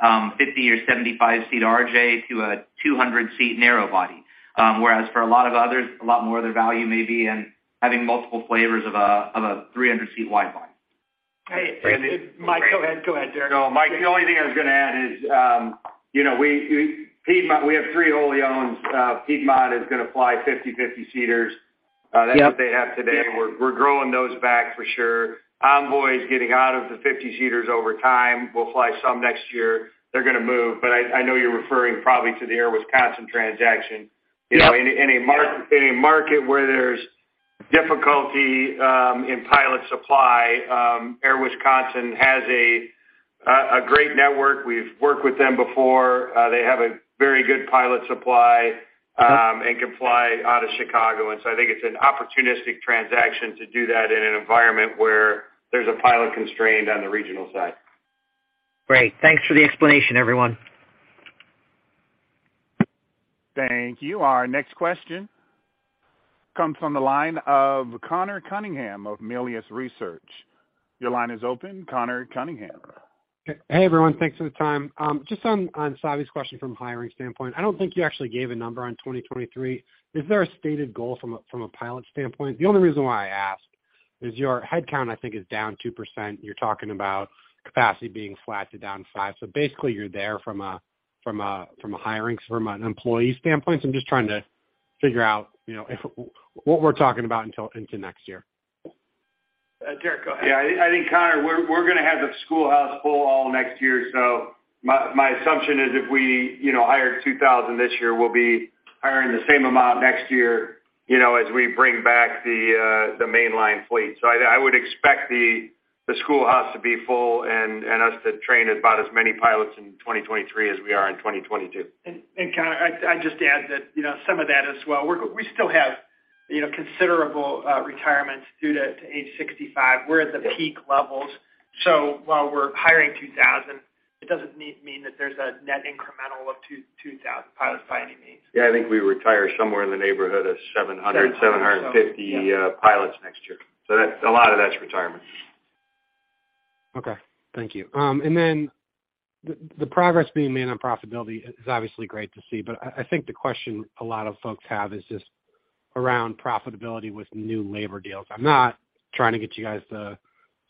or 75-seat RJ to a 200-seat narrow body. Whereas for a lot of others, a lot more of their value may be in having multiple flavors of a 300-seat wide body. Great. Mike, go ahead. Go ahead, Derek. No, Mike, the only thing I was gonna add is, you know, Piedmont, we have three wholly owns. Piedmont is gonna fly 50/50 seaters. Yep. That's what they have today. We're growing those back for sure. Envoy is getting out of the 50-seaters over time. We'll fly some next year. They're gonna move, but I know you're referring probably to the Air Wisconsin transaction. Yep. You know, in a market where there's difficulty in pilot supply, Air Wisconsin has a great network. We've worked with them before. They have a very good pilot supply, and can fly out of Chicago. I think it's an opportunistic transaction to do that in an environment where there's a pilot constraint on the regional side. Great. Thanks for the explanation, everyone. Thank you. Our next question comes from the line of Conor Cunningham of Melius Research. Your line is open, Conor Cunningham. Hey, everyone. Thanks for the time. Just on Savi's question from a hiring standpoint, I don't think you actually gave a number on 2023. Is there a stated goal from a pilot standpoint? The only reason why I ask is your headcount, I think, is down 2%. You're talking about capacity being slashed to down 5%. Basically you're there from a hiring, from an employee standpoint. I'm just trying to figure out, you know, what we're talking about until into next year. Derek, go ahead. Yeah. I think, Conor, we're gonna have the schoolhouse full all next year. My assumption is if we, you know, hired 2,000 this year, we'll be hiring the same amount next year, you know, as we bring back the mainline fleet. I would expect the schoolhouse to be full and us to train about as many pilots in 2023 as we are in 2022. Connor, I'd just add that, you know, some of that as well, we still have, you know, considerable retirements due to age 65. We're at the peak levels, so while we're hiring 2,000, it doesn't mean that there's a net incremental of 2,000 pilots by any means. Yeah, I think we retire somewhere in the neighborhood of 700, 750 pilots next year. That's a lot of that's retirement. Okay. Thank you. The progress being made on profitability is obviously great to see, but I think the question a lot of folks have is just around profitability with new labor deals. I'm not trying to get you guys to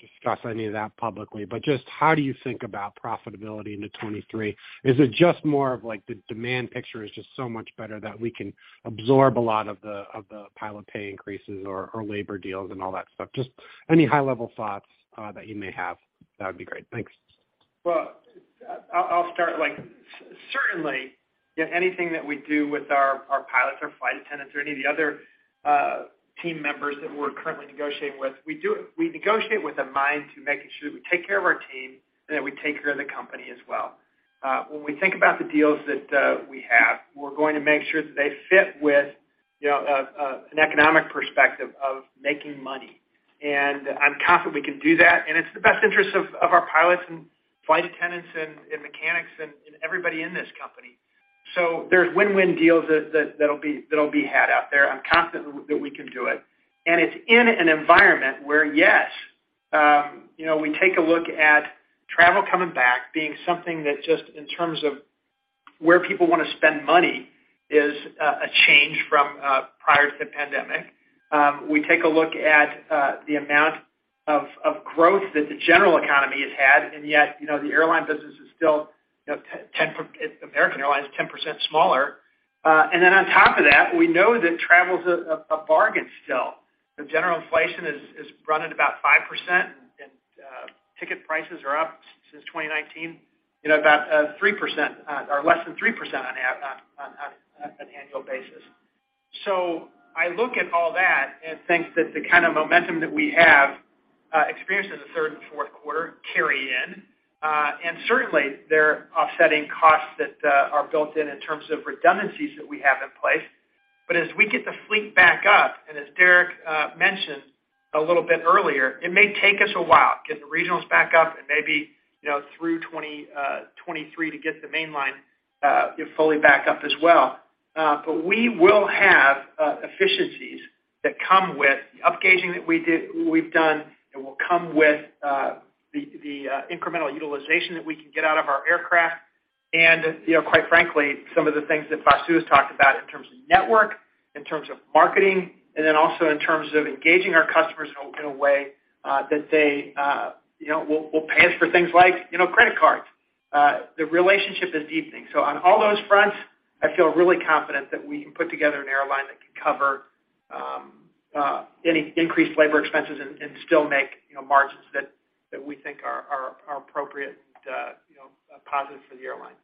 discuss any of that publicly, but just how do you think about profitability into 2023? Is it just more of like the demand picture is just so much better that we can absorb a lot of the pilot pay increases or labor deals and all that stuff? Just any high-level thoughts that you may have, that would be great. Thanks. I'll start. Like, certainly anything that we do with our pilots or flight attendants or any of the other team members that we're currently negotiating with, we negotiate with a mind to making sure that we take care of our team and that we take care of the company as well. When we think about the deals that we have, we're going to make sure that they fit with, you know, an economic perspective of making money. I'm confident we can do that, and it's the best interest of our pilots and flight attendants and mechanics and everybody in this company. There's win-win deals that'll be had out there. I'm confident that we can do it. It's in an environment where, yes, you know, we take a look at travel coming back being something that just in terms of where people wanna spend money is a change from prior to the pandemic. We take a look at the amount of growth that the general economy has had, and yet, you know, the airline business is still, you know, American Airlines is 10% smaller. And then on top of that, we know that travel's a bargain still. The general inflation is running about 5%, and ticket prices are up since 2019, you know, about 3%, or less than 3% on an annual basis. I look at all that and think that the kind of momentum that we have experienced in the third and Q4 carry in. Certainly there are offsetting costs that are built in in terms of redundancies that we have in place. As we get the fleet back up, and as Derek mentioned a little bit earlier, it may take us a while, getting the regionals back up and maybe, you know, through 2023 to get the mainline fully back up as well. We will have efficiencies that come with the upgauging that we did—we've done. It will come with the incremental utilization that we can get out of our aircraft. You know, quite frankly, some of the things that Vasu has talked about in terms of network, in terms of marketing, and then also in terms of engaging our customers in a way that they, you know, will pay us for things like, you know, credit cards. The relationship is deepening. On all those fronts, I feel really confident that we can put together an airline that can cover any increased labor expenses and still make, you know, margins that we think are appropriate, you know, positive for the airline.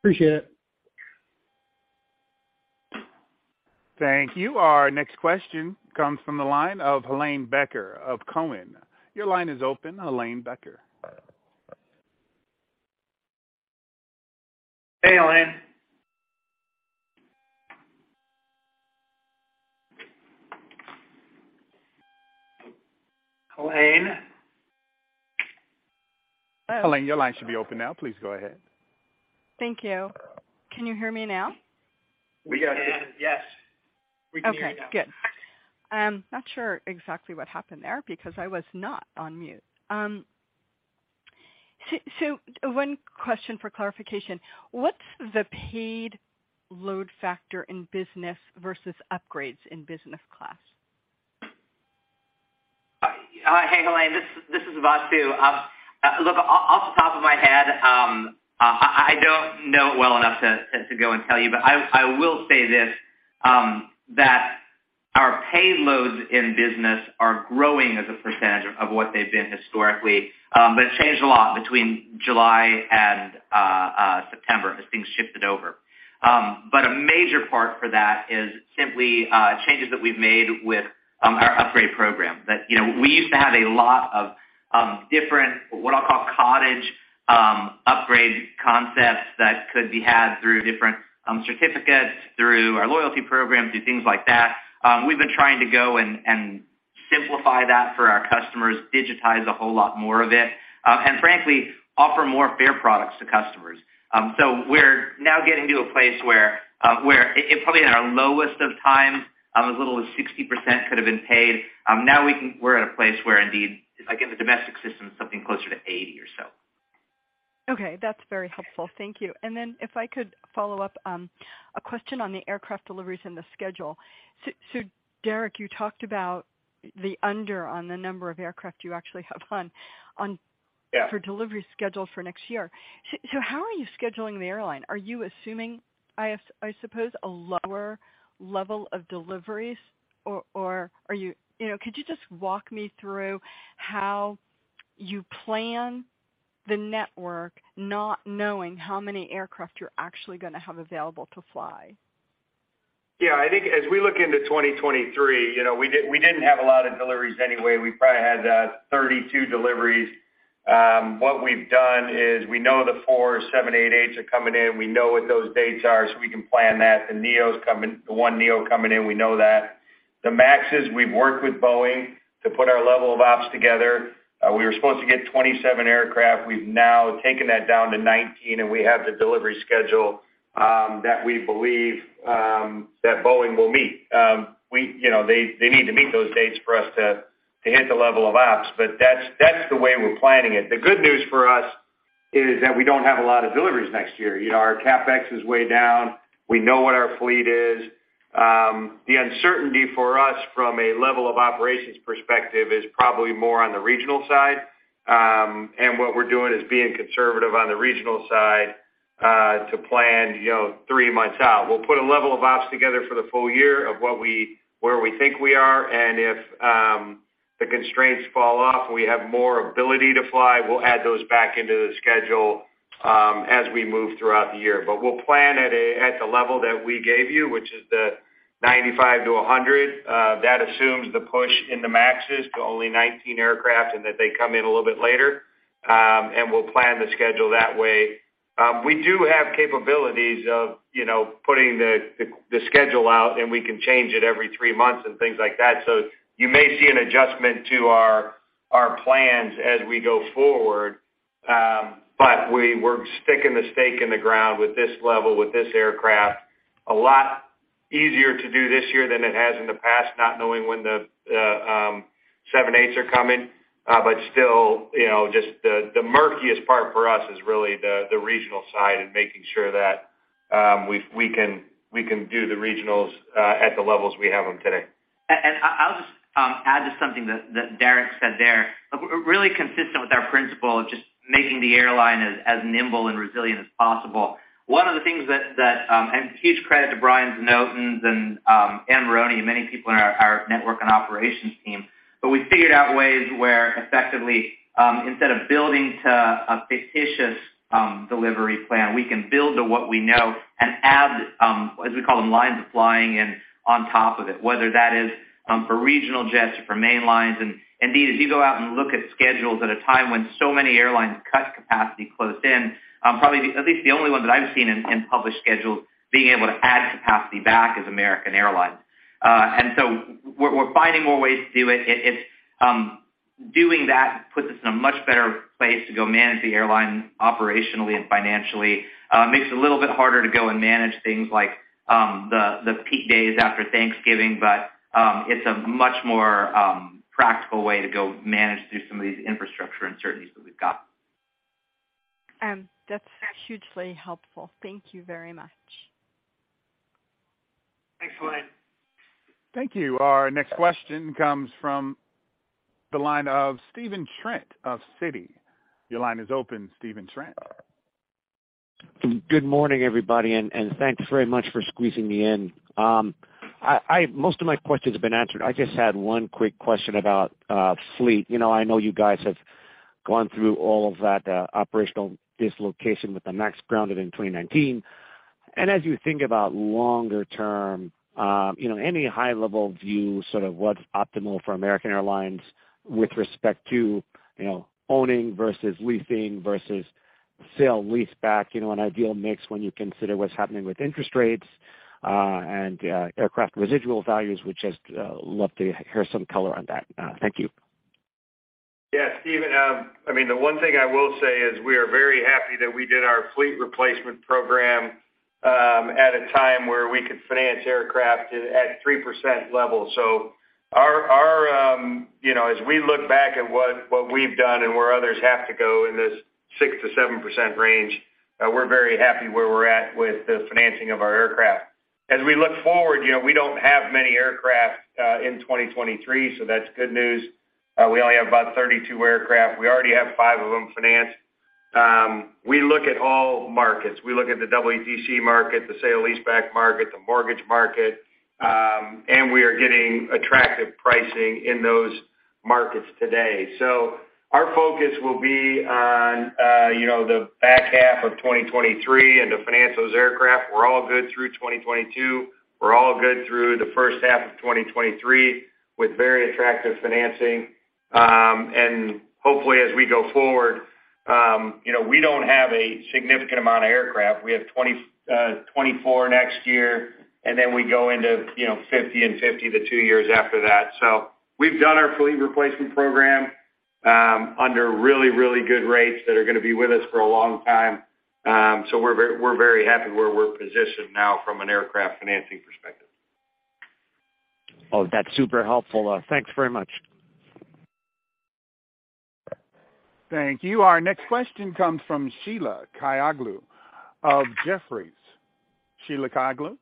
Appreciate it. Thank you. Our next question comes from the line of Helane Becker of TD Cowen. Your line is open, Helane Becker. Hey, Helane. Helane? Helane, your line should be open now. Please go ahead. Thank you. Can you hear me now? We can. Yes. We can hear you now. Okay, good. I'm not sure exactly what happened there because I was not on mute. One question for clarification. What's the paid load factor in business versus upgrades in business class? Hey, Helane. This is Vasu. Look, off the top of my head, I don't know it well enough to go and tell you, but I will say this, that our paid loads in business are growing as a percentage of what they've been historically, but it changed a lot between July and September as things shifted over. A major part for that is simply changes that we've made with our upgrade program. That, you know, we used to have a lot of different, what I'll call cottage upgrade concepts that could be had through different certificates, through our loyalty programs, through things like that. We've been trying to go and simplify that for our customers, digitize a whole lot more of it, and frankly, offer more fare products to customers. We're now getting to a place where it probably at our lowest of times, as little as 60% could have been paid. We're at a place where indeed, like in the domestic system, something closer to 80 or so. Okay, that's very helpful. Thank you. If I could follow up, a question on the aircraft deliveries and the schedule. Derek, you talked about the under on the number of aircraft you actually have on. Yeah. For delivery schedule for next year. How are you scheduling the airline? Are you assuming, I suppose, a lower level of deliveries or are you? You know, could you just walk me through how you plan the network, not knowing how many aircraft you're actually gonna have available to fly? Yeah. I think as we look into 2023, you know, we didn't have a lot of deliveries anyway. We probably had 32 deliveries. What we've done is we know the four 788s are coming in. We know what those dates are, so we can plan that. The one Neo coming in, we know that. The MAXs, we've worked with Boeing to put our level of ops together. We were supposed to get 27 aircraft. We've now taken that down to 19, and we have the delivery schedule that we believe that Boeing will meet. We, you know, they need to meet those dates for us to hit the level of ops, but that's the way we're planning it. The good news for us is that we don't have a lot of deliveries next year. You know, our CapEx is way down. We know what our fleet is. The uncertainty for us from a level of operations perspective is probably more on the regional side. What we're doing is being conservative on the regional side to plan, you know, three months out. We'll put a level of ops together for the full year of what we think we are, and if the constraints fall off and we have more ability to fly, we'll add those back into the schedule as we move throughout the year. We'll plan at the level that we gave you, which is the 95-100. That assumes the push in the MAXs to only 19 aircraft and that they come in a little bit later, and we'll plan the schedule that way. We do have capabilities of, you know, putting the schedule out, and we can change it every three months and things like that. You may see an adjustment to our plans as we go forward, but we're sticking the stake in the ground with this level, with this aircraft. A lot easier to do this year than it has in the past, not knowing when the 787s are coming. Still, you know, just the murkiest part for us is really the regional side and making sure that we can do the regionals at the levels we have them today. I'll just add just something that Derek said there. Really consistent with our principle of just making the airline as nimble and resilient as possible. One of the things that and huge credit to Brian Znotins and Anne Moroney and many people in our network and operations team, but we figured out ways where effectively instead of building to a fictitious delivery plan, we can build to what we know and add as we call them, lines of flying in on top of it, whether that is for regional jets or for main lines. Indeed, as you go out and look at schedules at a time when so many airlines cut capacity close in, probably at least the only one that I've seen in published schedules being able to add capacity back is American Airlines. We're finding more ways to do it. It's doing that puts us in a much better place to go manage the airline operationally and financially. Makes it a little bit harder to go and manage things like the peak days after Thanksgiving, but it's a much more practical way to go manage through some of these infrastructure uncertainties that we've got. That's hugely helpful. Thank you very much. Excellent. Thank you. Our next question comes from the line of Stephen Trent of Citi. Your line is open, Stephen Trent. Good morning, everybody, and thanks very much for squeezing me in. Most of my questions have been answered. I just had one quick question about fleet. You know, I know you guys have gone through all of that operational dislocation with the MAX grounded in 2019. As you think about longer term, you know, any high level view, sort of what's optimal for American Airlines with respect to, you know, owning versus leasing versus sale-leaseback, you know, an ideal mix when you consider what's happening with interest rates and aircraft residual values, which I'd love to hear some color on that. Thank you. Yeah. Stephen, I mean, the one thing I will say is we are very happy that we did our fleet replacement program at a time where we could finance aircraft at 3% level. Our you know as we look back at what we've done and where others have to go in this 6%-7% range, we're very happy where we're at with the financing of our aircraft. As we look forward, you know, we don't have many aircraft in 2023, that's good news. We only have about 32 aircraft. We already have five of them financed. We look at all markets. We look at the EETC market, the sale leaseback market, the mortgage market, and we are getting attractive pricing in those markets today. Our focus will be on, you know, the back half of 2023 and to finance those aircraft. We're all good through 2022. We're all good through the first half of 2023 with very attractive financing. Hopefully, as we go forward, you know, we don't have a significant amount of aircraft. We have 24 next year, and then we go into, you know, 50 and 50 the two years after that. We've done our fleet replacement program under really, really good rates that are gonna be with us for a long time. We're very happy where we're positioned now from an aircraft financing perspective. Oh, that's super helpful. Thanks very much. Thank you. Our next question comes from Sheila Kahyaoglu of Jefferies. Sheila Kahyaoglu,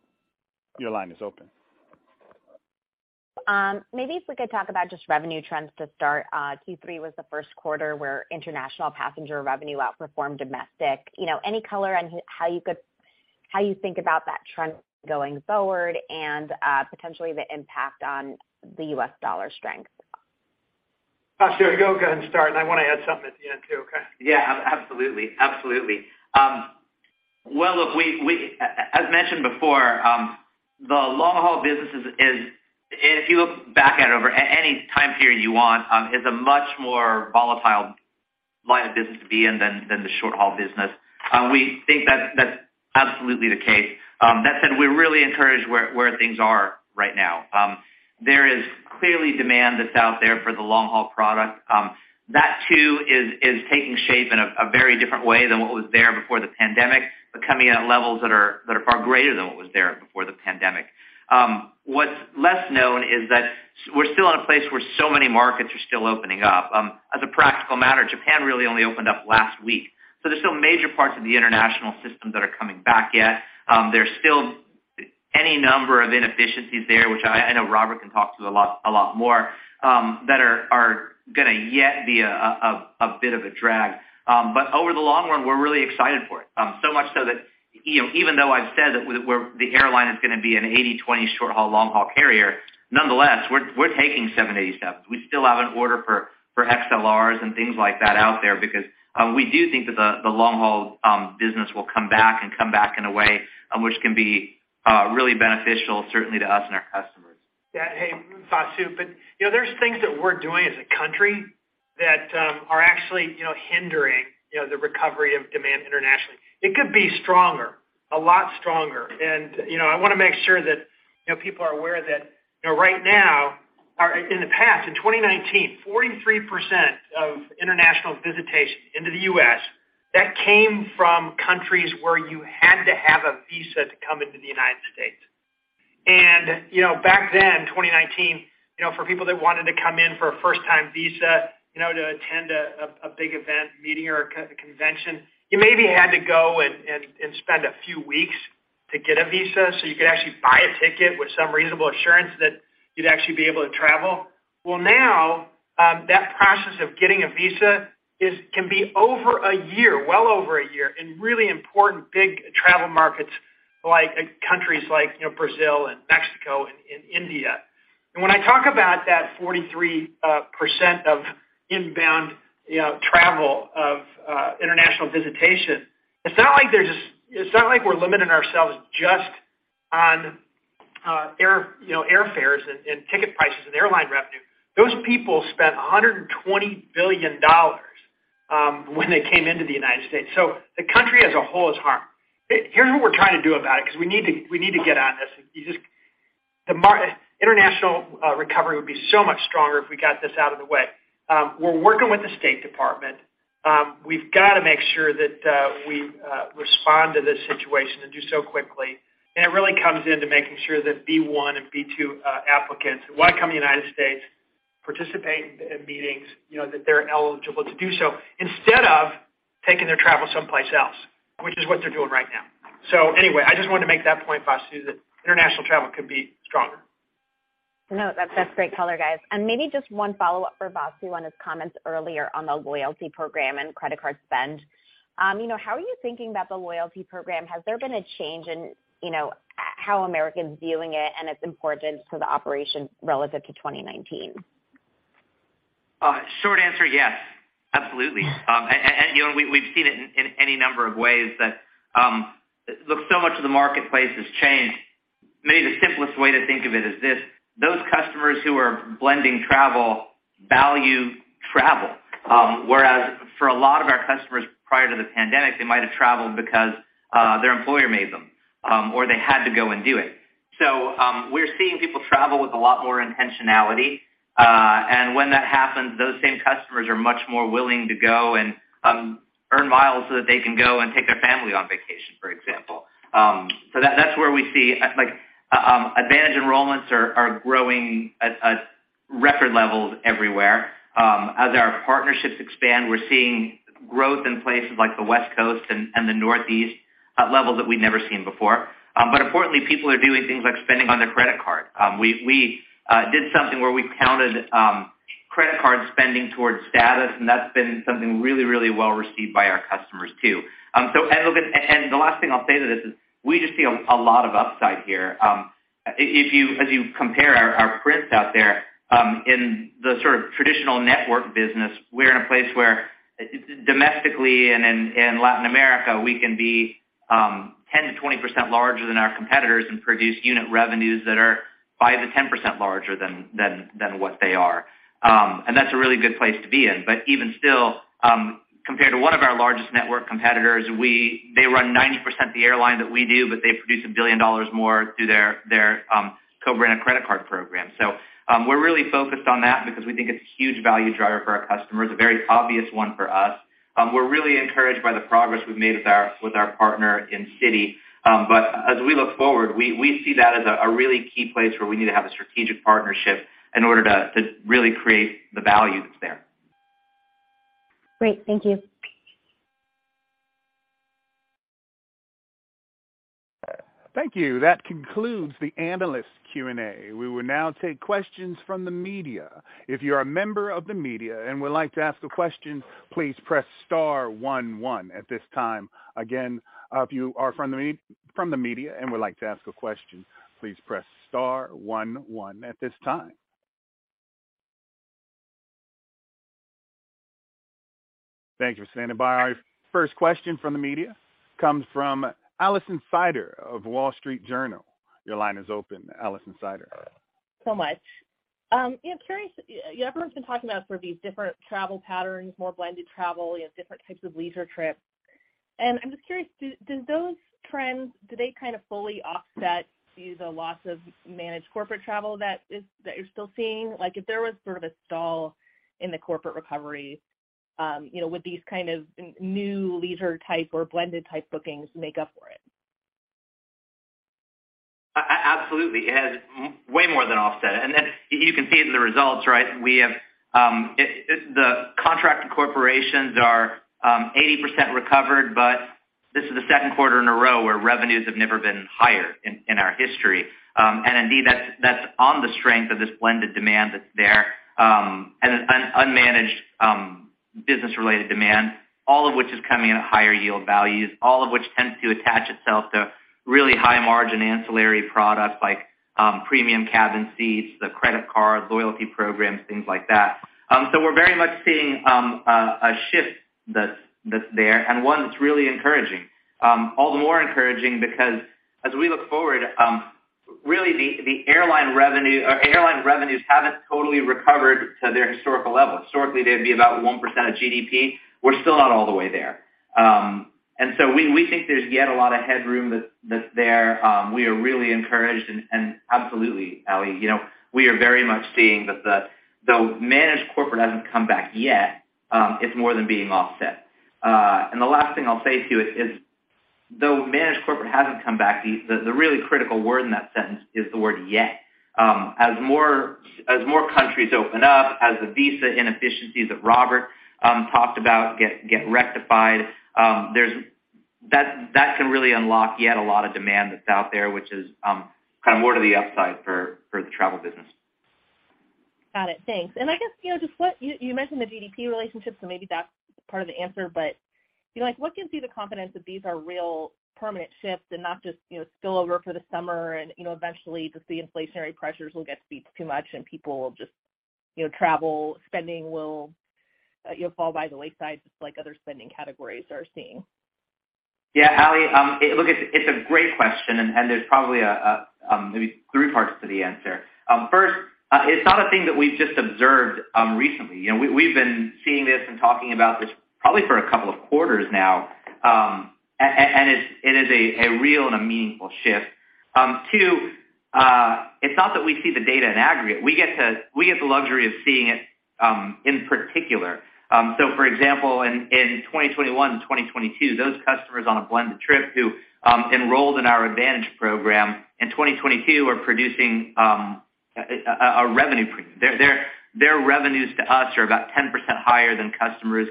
your line is open. Maybe if we could talk about just revenue trends to start. Q3 was the Q1 where international passenger revenue outperformed domestic. You know, any color on how you think about that trend going forward and potentially the impact on the U.S. dollar strength. Vasu, go ahead and start, and I wanna add something at the end too. Okay? Yeah, absolutely. Well, look, as mentioned before, the long-haul business is if you look back at over any time period you want, is a much more volatile line of business to be in than the short-haul business. We think that's absolutely the case. That said, we're really encouraged where things are right now. There is clearly demand that's out there for the long-haul product. That too is taking shape in a very different way than what was there before the pandemic, but coming in at levels that are far greater than what was there before the pandemic. What's less known is that we're still in a place where so many markets are still opening up. As a practical matter, Japan really only opened up last week, so there's still major parts of the international system that are coming back yet. There's still any number of inefficiencies there, which I know Robert can talk to a lot more, that are gonna yet be a bit of a drag. Over the long run, we're really excited for it. So much so that, you know, even though I've said that the airline is gonna be an 80/20 short-haul, long-haul carrier, nonetheless, we're taking 70/80 steps. We still have an order for XLRs and things like that out there because we do think that the long-haul business will come back and come back in a way which can be really beneficial certainly to us and our customers. Yeah. Hey, Vasu, you know, there's things that we're doing as a country that are actually, you know, hindering, you know, the recovery of demand internationally. It could be stronger, a lot stronger. You know, I wanna make sure that, you know, people are aware that, you know, right now or in the past, in 2019, 43% of international visitation into the U.S., that came from countries where you had to have a visa to come into the United States. You know, back then, 2019, you know, for people that wanted to come in for a first-time visa, you know, to attend a big event, meeting or a convention, you maybe had to go and spend a few weeks to get a visa, so you could actually buy a ticket with some reasonable assurance that you'd actually be able to travel. Well, now, that process of getting a visa can be over a year, well over a year, in really important big travel markets like countries like, you know, Brazil and Mexico and India. When I talk about that 43% of inbound, you know, travel of international visitation, it's not like we're limiting ourselves just on air, you know, airfares and ticket prices and airline revenue. Those people spent $120 billion when they came into the United States. So the country as a whole is harmed. Here's what we're trying to do about it because we need to get on this. International recovery would be so much stronger if we got this out of the way. We're working with the State Department. We've got to make sure that we respond to this situation and do so quickly. It really comes into making sure that B1 and B2 applicants want to come to the United States, participate in meetings, you know, that they're eligible to do so, instead of. Taking their travel someplace else, which is what they're doing right now. Anyway, I just wanted to make that point, Vasu, that international travel could be stronger. No, that's great color, guys. Maybe just one follow-up for Vasu on his comments earlier on the loyalty program and credit card spend. You know, how are you thinking about the loyalty program? Has there been a change in, you know, how Americans viewing it and its importance to the operation relative to 2019? Short answer, yes. Absolutely. You know, we've seen it in any number of ways. Look, so much of the marketplace has changed. Maybe the simplest way to think of it is this, those customers who are blending travel value travel, whereas for a lot of our customers prior to the pandemic, they might have traveled because their employer made them or they had to go and do it. We're seeing people travel with a lot more intentionality. When that happens, those same customers are much more willing to go and earn miles so that they can go and take their family on vacation, for example. That's where we see, like, AAdvantage enrollments are growing at record levels everywhere. As our partnerships expand, we're seeing growth in places like the West Coast and the Northeast at levels that we'd never seen before. Importantly, people are doing things like spending on their credit card. We did something where we counted credit card spending towards status, and that's been something really well received by our customers too. The last thing I'll say to this is we just see a lot of upside here. As you compare our PRASMs out there in the sort of traditional network business, we're in a place where domestically and in Latin America, we can be 10%-20% larger than our competitors and produce unit revenues that are 5%-10% larger than what they are. That's a really good place to be in. Even still, compared to one of our largest network competitors, they run 90% the airline that we do, but they produce $1 billion more through their co-branded credit card program. We're really focused on that because we think it's a huge value driver for our customers, a very obvious one for us. We're really encouraged by the progress we've made with our partner in Citi. As we look forward, we see that as a really key place where we need to have a strategic partnership in order to really create the value that's there. Great. Thank you. Thank you. That concludes the analyst Q&A. We will now take questions from the media. If you're a member of the media and would like to ask a question, please press star one one at this time. Again, if you are from the media and would like to ask a question, please press star one one at this time. Thank you for standing by. First question from the media comes from Alison Sider of Wall Street Journal. Your line is open, Alison Sider. So much. You know, curious, you know, everyone's been talking about sort of these different travel patterns, more blended travel, you know, different types of leisure trips. I'm just curious, do those trends kind of fully offset the loss of managed corporate travel that you're still seeing? Like, if there was sort of a stall in the corporate recovery, you know, would these kind of new leisure type or blended type bookings make up for it? Absolutely. It has way more than offset it. You can see it in the results, right? We have the corporate contracts are 80% recovered, but this is the Q2 in a row where revenues have never been higher in our history. Indeed, that's on the strength of this blended demand that's there, and an unmanaged business-related demand, all of which is coming at higher yield values, all of which tends to attach itself to really high-margin ancillary products like premium cabin seats, the credit card, loyalty programs, things like that. We're very much seeing a shift that's there and one that's really encouraging. All the more encouraging because as we look forward, really the airline revenues haven't totally recovered to their historical levels. Historically, they'd be about 1% of GDP. We're still not all the way there. We think there's yet a lot of headroom that's there. We are really encouraged and absolutely, Allie, you know, we are very much seeing that though managed corporate hasn't come back yet, it's more than being offset. The last thing I'll say to you is though managed corporate hasn't come back, the really critical word in that sentence is the word yet. As more countries open up, as the visa inefficiencies that Robert talked about get rectified, that can really unlock yet a lot of demand that's out there, which is kind of more to the upside for the travel business. Got it. Thanks. I guess, you know, you mentioned the GDP relationship, so maybe that's part of the answer. You know, like, what gives you the confidence that these are real permanent shifts and not just, you know, spill over for the summer and, you know, eventually just the inflationary pressures will get to be too much and people will just, you know, travel spending will, you know, fall by the wayside just like other spending categories are seeing? Yeah. Ali, look, it's a great question, and there's probably maybe three parts to the answer. First, it's not a thing that we've just observed recently. You know, we've been seeing this and talking about this probably for a couple of quarters now, and it is a real and a meaningful shift. Two, it's not that we see the data in aggregate. We get the luxury of seeing it in particular. So for example, in 2021 and 2022, those customers on a blended trip who enrolled in our AAdvantage program in 2022 are producing a revenue premium. Their revenues to us are about 10% higher than customers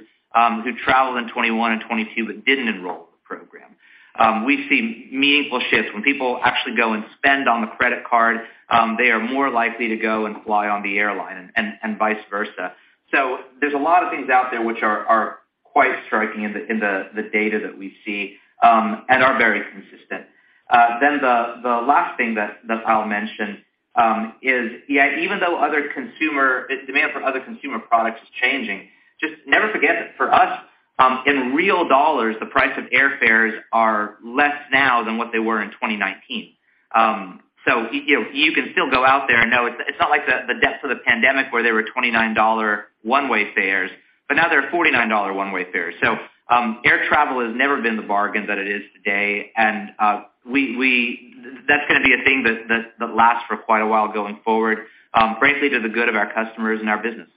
who traveled in 2021 and 2022 but didn't enroll in the program. We've seen meaningful shifts. When people actually go and spend on the credit card, they are more likely to go and fly on the airline and vice versa. There's a lot of things out there which are quite striking in the data that we see and are very consistent. The last thing that I'll mention is yeah, even though the demand for other consumer products is changing, just never forget that for us, in real dollars, the price of airfares are less now than what they were in 2019. You can still go out there and know it's not like the depths of the pandemic where there were $29 one-way fares, but now they're $49 one-way fares. Air travel has never been the bargain that it is today, and that's gonna be a thing that lasts for quite a while going forward, frankly, to the good of our customers and our business.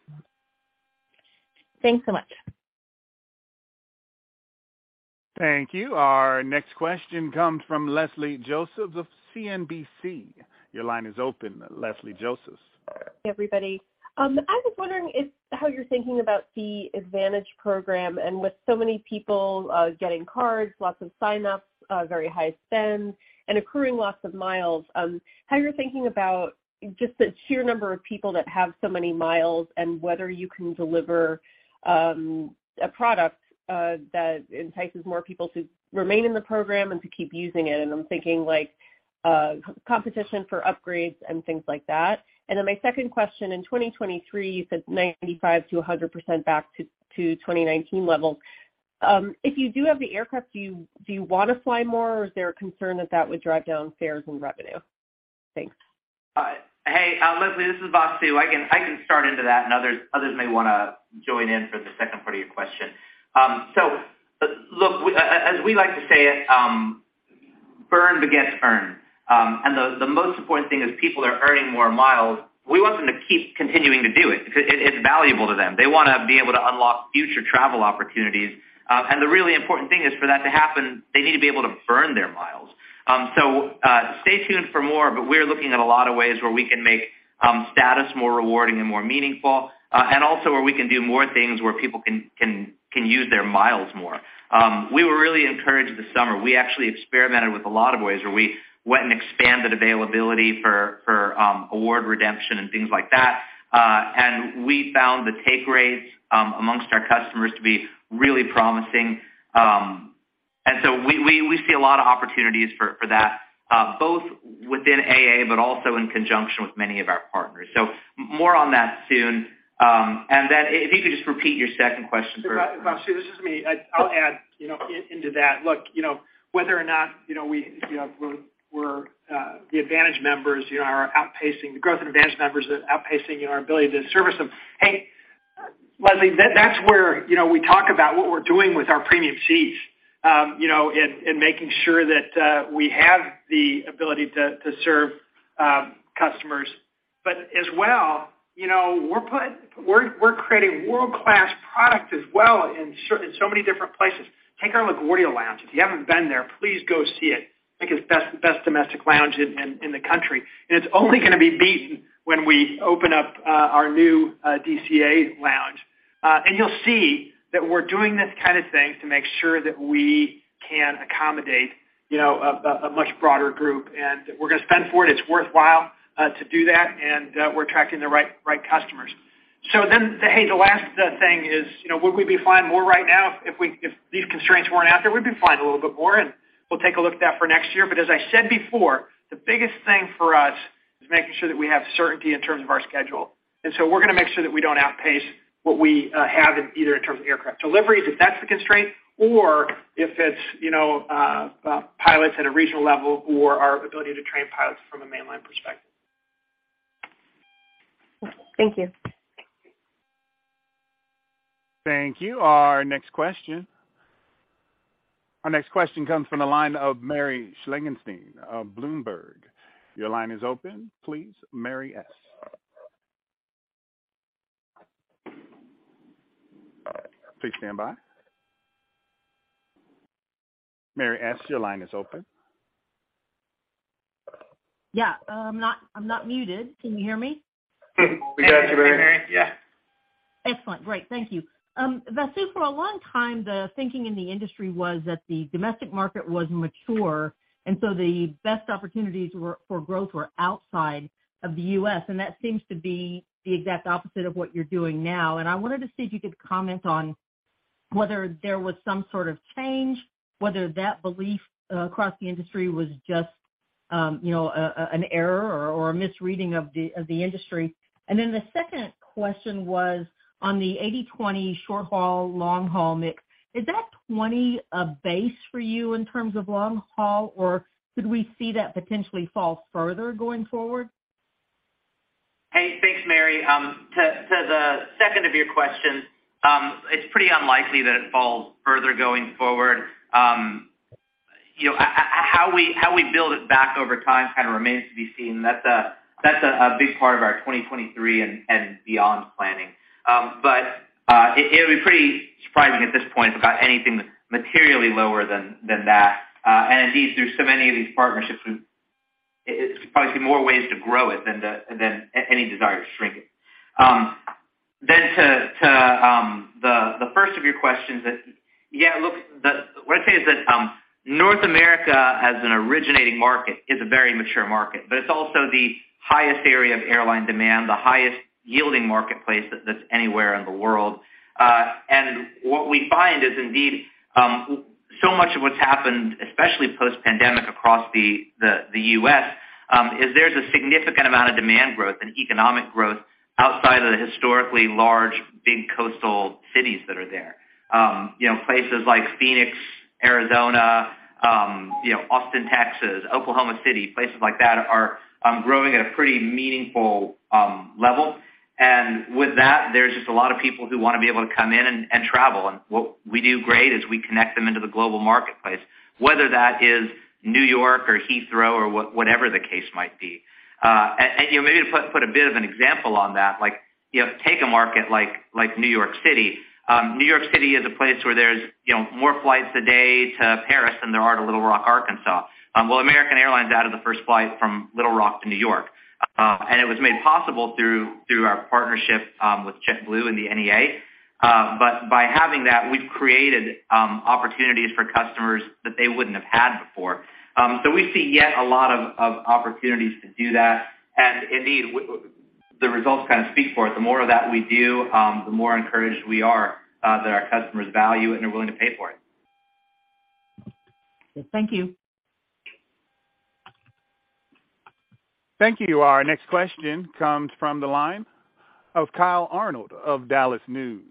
Thanks so much. Thank you. Our next question comes from Leslie Josephs of CNBC. Your line is open, Leslie Josephs. Hey, everybody. I was wondering if how you're thinking about the AAdvantage program and with so many people getting cards, lots of sign-ups, very high spends and accruing lots of miles, how you're thinking about just the sheer number of people that have so many miles and whether you can deliver a product that entices more people to remain in the program and to keep using it, and I'm thinking like, competition for upgrades and things like that. Then my second question, in 2023, you said 95%-100% back to 2019 levels. If you do have the aircraft, do you wanna fly more, or is there a concern that that would drive down fares and revenue? Thanks. Hey, Leslie, this is Vasu. I can start into that, and others may wanna join in for the second part of your question. Look, as we like to say it, burn begets earn. The most important thing is people are earning more miles. We want them to keep continuing to do it because it's valuable to them. They wanna be able to unlock future travel opportunities. The really important thing is for that to happen, they need to be able to burn their miles. Stay tuned for more, but we're looking at a lot of ways where we can make status more rewarding and more meaningful, and also where we can do more things where people can use their miles more. We were really encouraged this summer. We actually experimented with a lot of ways where we went and expanded availability for award redemption and things like that. We found the take rates among our customers to be really promising. We see a lot of opportunities for that both within AA but also in conjunction with many of our partners. More on that soon. If you could just repeat your second question <crosstalk> for- Vasu, this is me. I'll add, you know, into that. Look, you know, whether or not, you know, the growth in AAdvantage members are outpacing our ability to service them. Hey, Leslie, that's where, you know, we talk about what we're doing with our premium seats, you know, in making sure that we have the ability to serve customers. But as well, you know, we're creating world-class product as well in so many different places. Take our LaGuardia lounge. If you haven't been there, please go see it. I think it's the best domestic lounge in the country. It's only gonna be beaten when we open up our new DCA lounge. You'll see that we're doing this kind of thing to make sure that we can accommodate, you know, a much broader group, and we're gonna spend for it. It's worthwhile to do that, and we're attracting the right customers. Hey, the last thing is, you know, would we be flying more right now if these constraints weren't out there? We'd be flying a little bit more, and we'll take a look at that for next year. As I said before, the biggest thing for us is making sure that we have certainty in terms of our schedule. We're gonna make sure that we don't outpace what we have in terms of aircraft deliveries, if that's the constraint, or if it's, you know, pilots at a regional level or our ability to train pilots from a mainline perspective. Thank you. Thank you. Our next question comes from the line of Mary Schlangenstein of Bloomberg. Your line is open, please, Mary S. Please stand by. Mary S, your line is open. Yeah. I'm not muted. Can you hear me? We got you, Mary. Yeah. Excellent. Great. Thank you. Vasu, for a long time, the thinking in the industry was that the domestic market was mature, and so the best opportunities for growth were outside of the U.S., and that seems to be the exact opposite of what you're doing now. I wanted to see if you could comment on whether there was some sort of change, whether that belief across the industry was just, you know, an error or a misreading of the industry. Then the second question was on the 80/20 short-haul, long-haul mix. Is that 20 a base for you in terms of long-haul, or could we see that potentially fall further going forward? Hey. Thanks, Mary. To the second of your questions, it's pretty unlikely that it falls further going forward. You know, how we build it back over time kind of remains to be seen. That's a big part of our 2023 and beyond planning. It would be pretty surprising at this point if we got anything materially lower than that. And indeed, through so many of these partnerships, it's probably more ways to grow it than any desire to shrink it. To the first of your questions, yeah, look, what I'd say is that, North America as an originating market is a very mature market, but it's also the highest area of airline demand, the highest-yielding marketplace that's anywhere in the world. What we find is indeed so much of what's happened, especially post-pandemic across the U.S., is there's a significant amount of demand growth and economic growth outside of the historically large, big coastal cities that are there. You know, places like Phoenix, Arizona, you know, Austin, Texas, Oklahoma City, places like that are growing at a pretty meaningful level. With that, there's just a lot of people who wanna be able to come in and travel. What we do great is we connect them into the global marketplace, whether that is New York or Heathrow or whatever the case might be. You know, maybe to put a bit of an example on that, like, you know, take a market like New York City. New York City is a place where there's, you know, more flights a day to Paris than there are to Little Rock, Arkansas. American Airlines added the first flight from Little Rock to New York, and it was made possible through our partnership with JetBlue and the NEA. By having that, we've created opportunities for customers that they wouldn't have had before. We see yet a lot of opportunities to do that. Indeed, the results kind of speak for it. The more of that we do, the more encouraged we are that our customers value and are willing to pay for it. Thank you. Thank you. Our next question comes from the line of Kyle Arnold of Dallas News.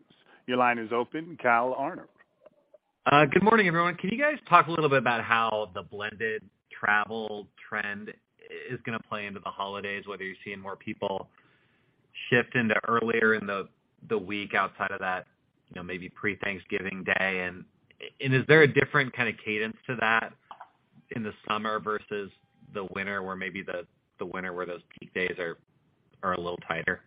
Your line is open, Kyle Arnold. Good morning, everyone. Can you guys talk a little bit about how the blended travel trend is gonna play into the holidays, whether you're seeing more people shift into earlier in the week outside of that, you know, maybe pre-Thanksgiving Day? Is there a different kind of cadence to that in the summer versus the winter, where maybe the winter where those peak days are a little tighter?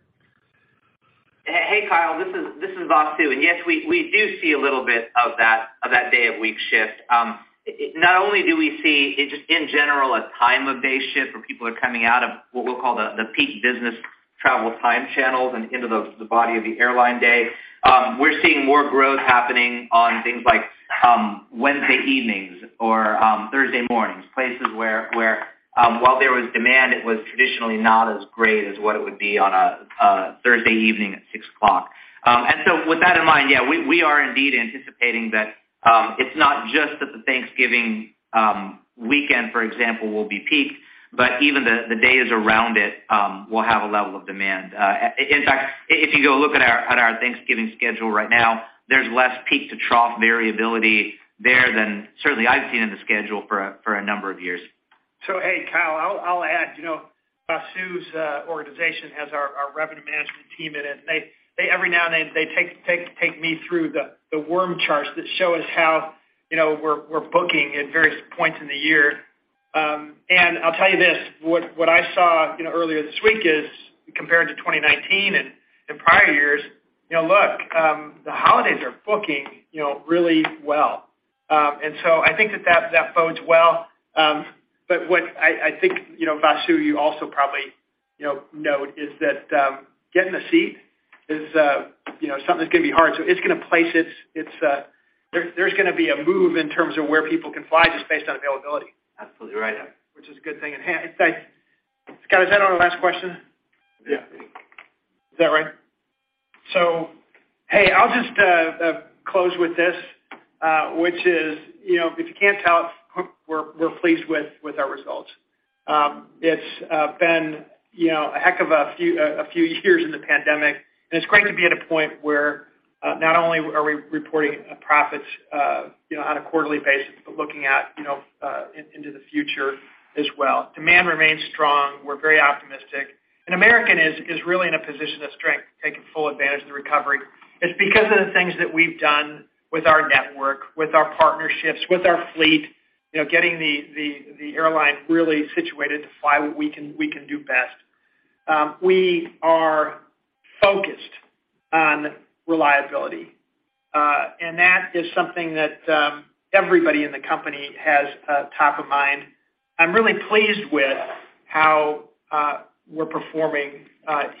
Hey, Kyle. This is Vasu. Yes, we do see a little bit of that day-of-week shift. Not only do we see it just in general, a time of day shift where people are coming out of what we'll call the peak business travel time channels and into the body of the airline day. We're seeing more growth happening on things like Wednesday evenings or Thursday mornings, places where, while there was demand, it was traditionally not as great as what it would be on a Thursday evening at 6:00 P.M. With that in mind, yeah, we are indeed anticipating that it's not just that the Thanksgiving weekend, for example, will be peak, but even the days around it will have a level of demand. In fact, if you go look at our Thanksgiving schedule right now, there's less peak-to-trough variability there than certainly I've seen in the schedule for a number of years. Hey, Kyle, I'll add, you know, Vasu's organization has our revenue management team in it. They every now and then take me through the worm charts that show us how, you know, we're booking at various points in the year. I'll tell you this, what I saw, you know, earlier this week is compared to 2019 and prior years, you know, look, the holidays are booking, you know, really well. I think that bodes well. But what I think, you know, Vasu, you also probably, you know, note is that getting a seat is, you know, something that's gonna be hard, so there's gonna be a move in terms of where people can fly just based on availability. Absolutely right. Which is a good thing in hand. In fact, Scott, is that our last question? Yeah. Is that right? Hey, I'll just close with this, which is, you know, if you can't tell, we're pleased with our results. It's been, you know, a heck of a few years in the pandemic, and it's great to be at a point where not only are we reporting a profit, you know, on a quarterly basis, but looking at, you know, into the future as well. Demand remains strong. We're very optimistic. American is really in a position of strength, taking full advantage of the recovery. It's because of the things that we've done with our network, with our partnerships, with our fleet, you know, getting the airline really situated to fly what we can do best. We are focused on reliability, and that is something that everybody in the company has top of mind. I'm really pleased with how we're performing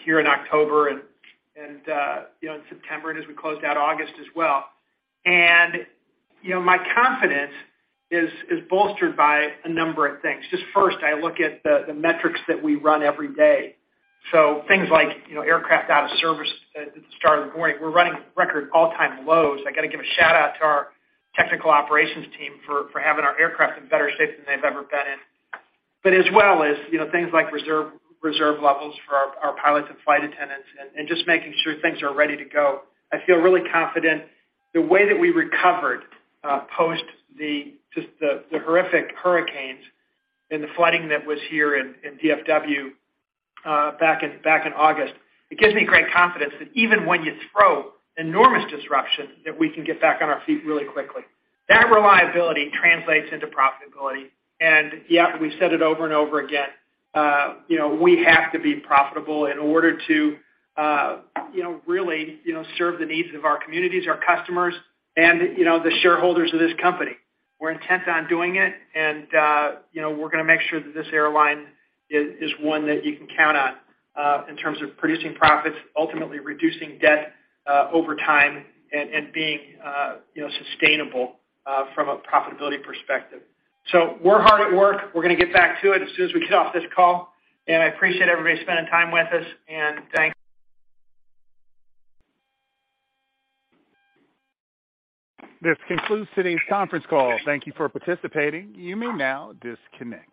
here in October and, you know, in September and as we closed out August as well. My confidence is bolstered by a number of things. Just first, I look at the metrics that we run every day. So things like, you know, aircraft out of service at the start of the morning. We're running record all-time lows. I gotta give a shout-out to our technical operations team for having our aircraft in better shape than they've ever been in. As well as, you know, things like reserve levels for our pilots and flight attendants and just making sure things are ready to go. I feel really confident the way that we recovered post the horrific hurricanes and the flooding that was here in DFW back in August. It gives me great confidence that even when you throw enormous disruption, that we can get back on our feet really quickly. That reliability translates into profitability. Yeah, we've said it over and over again, you know, we have to be profitable in order to, you know, really, you know, serve the needs of our communities, our customers, and, you know, the shareholders of this company. We're intent on doing it, and, you know, we're gonna make sure that this airline is one that you can count on in terms of producing profits, ultimately reducing debt over time and being, you know, sustainable from a profitability perspective. We're hard at work. We're gonna get back to it as soon as we get off this call. I appreciate everybody spending time with us and thank- This concludes today's conference call. Thank you for participating. You may now disconnect.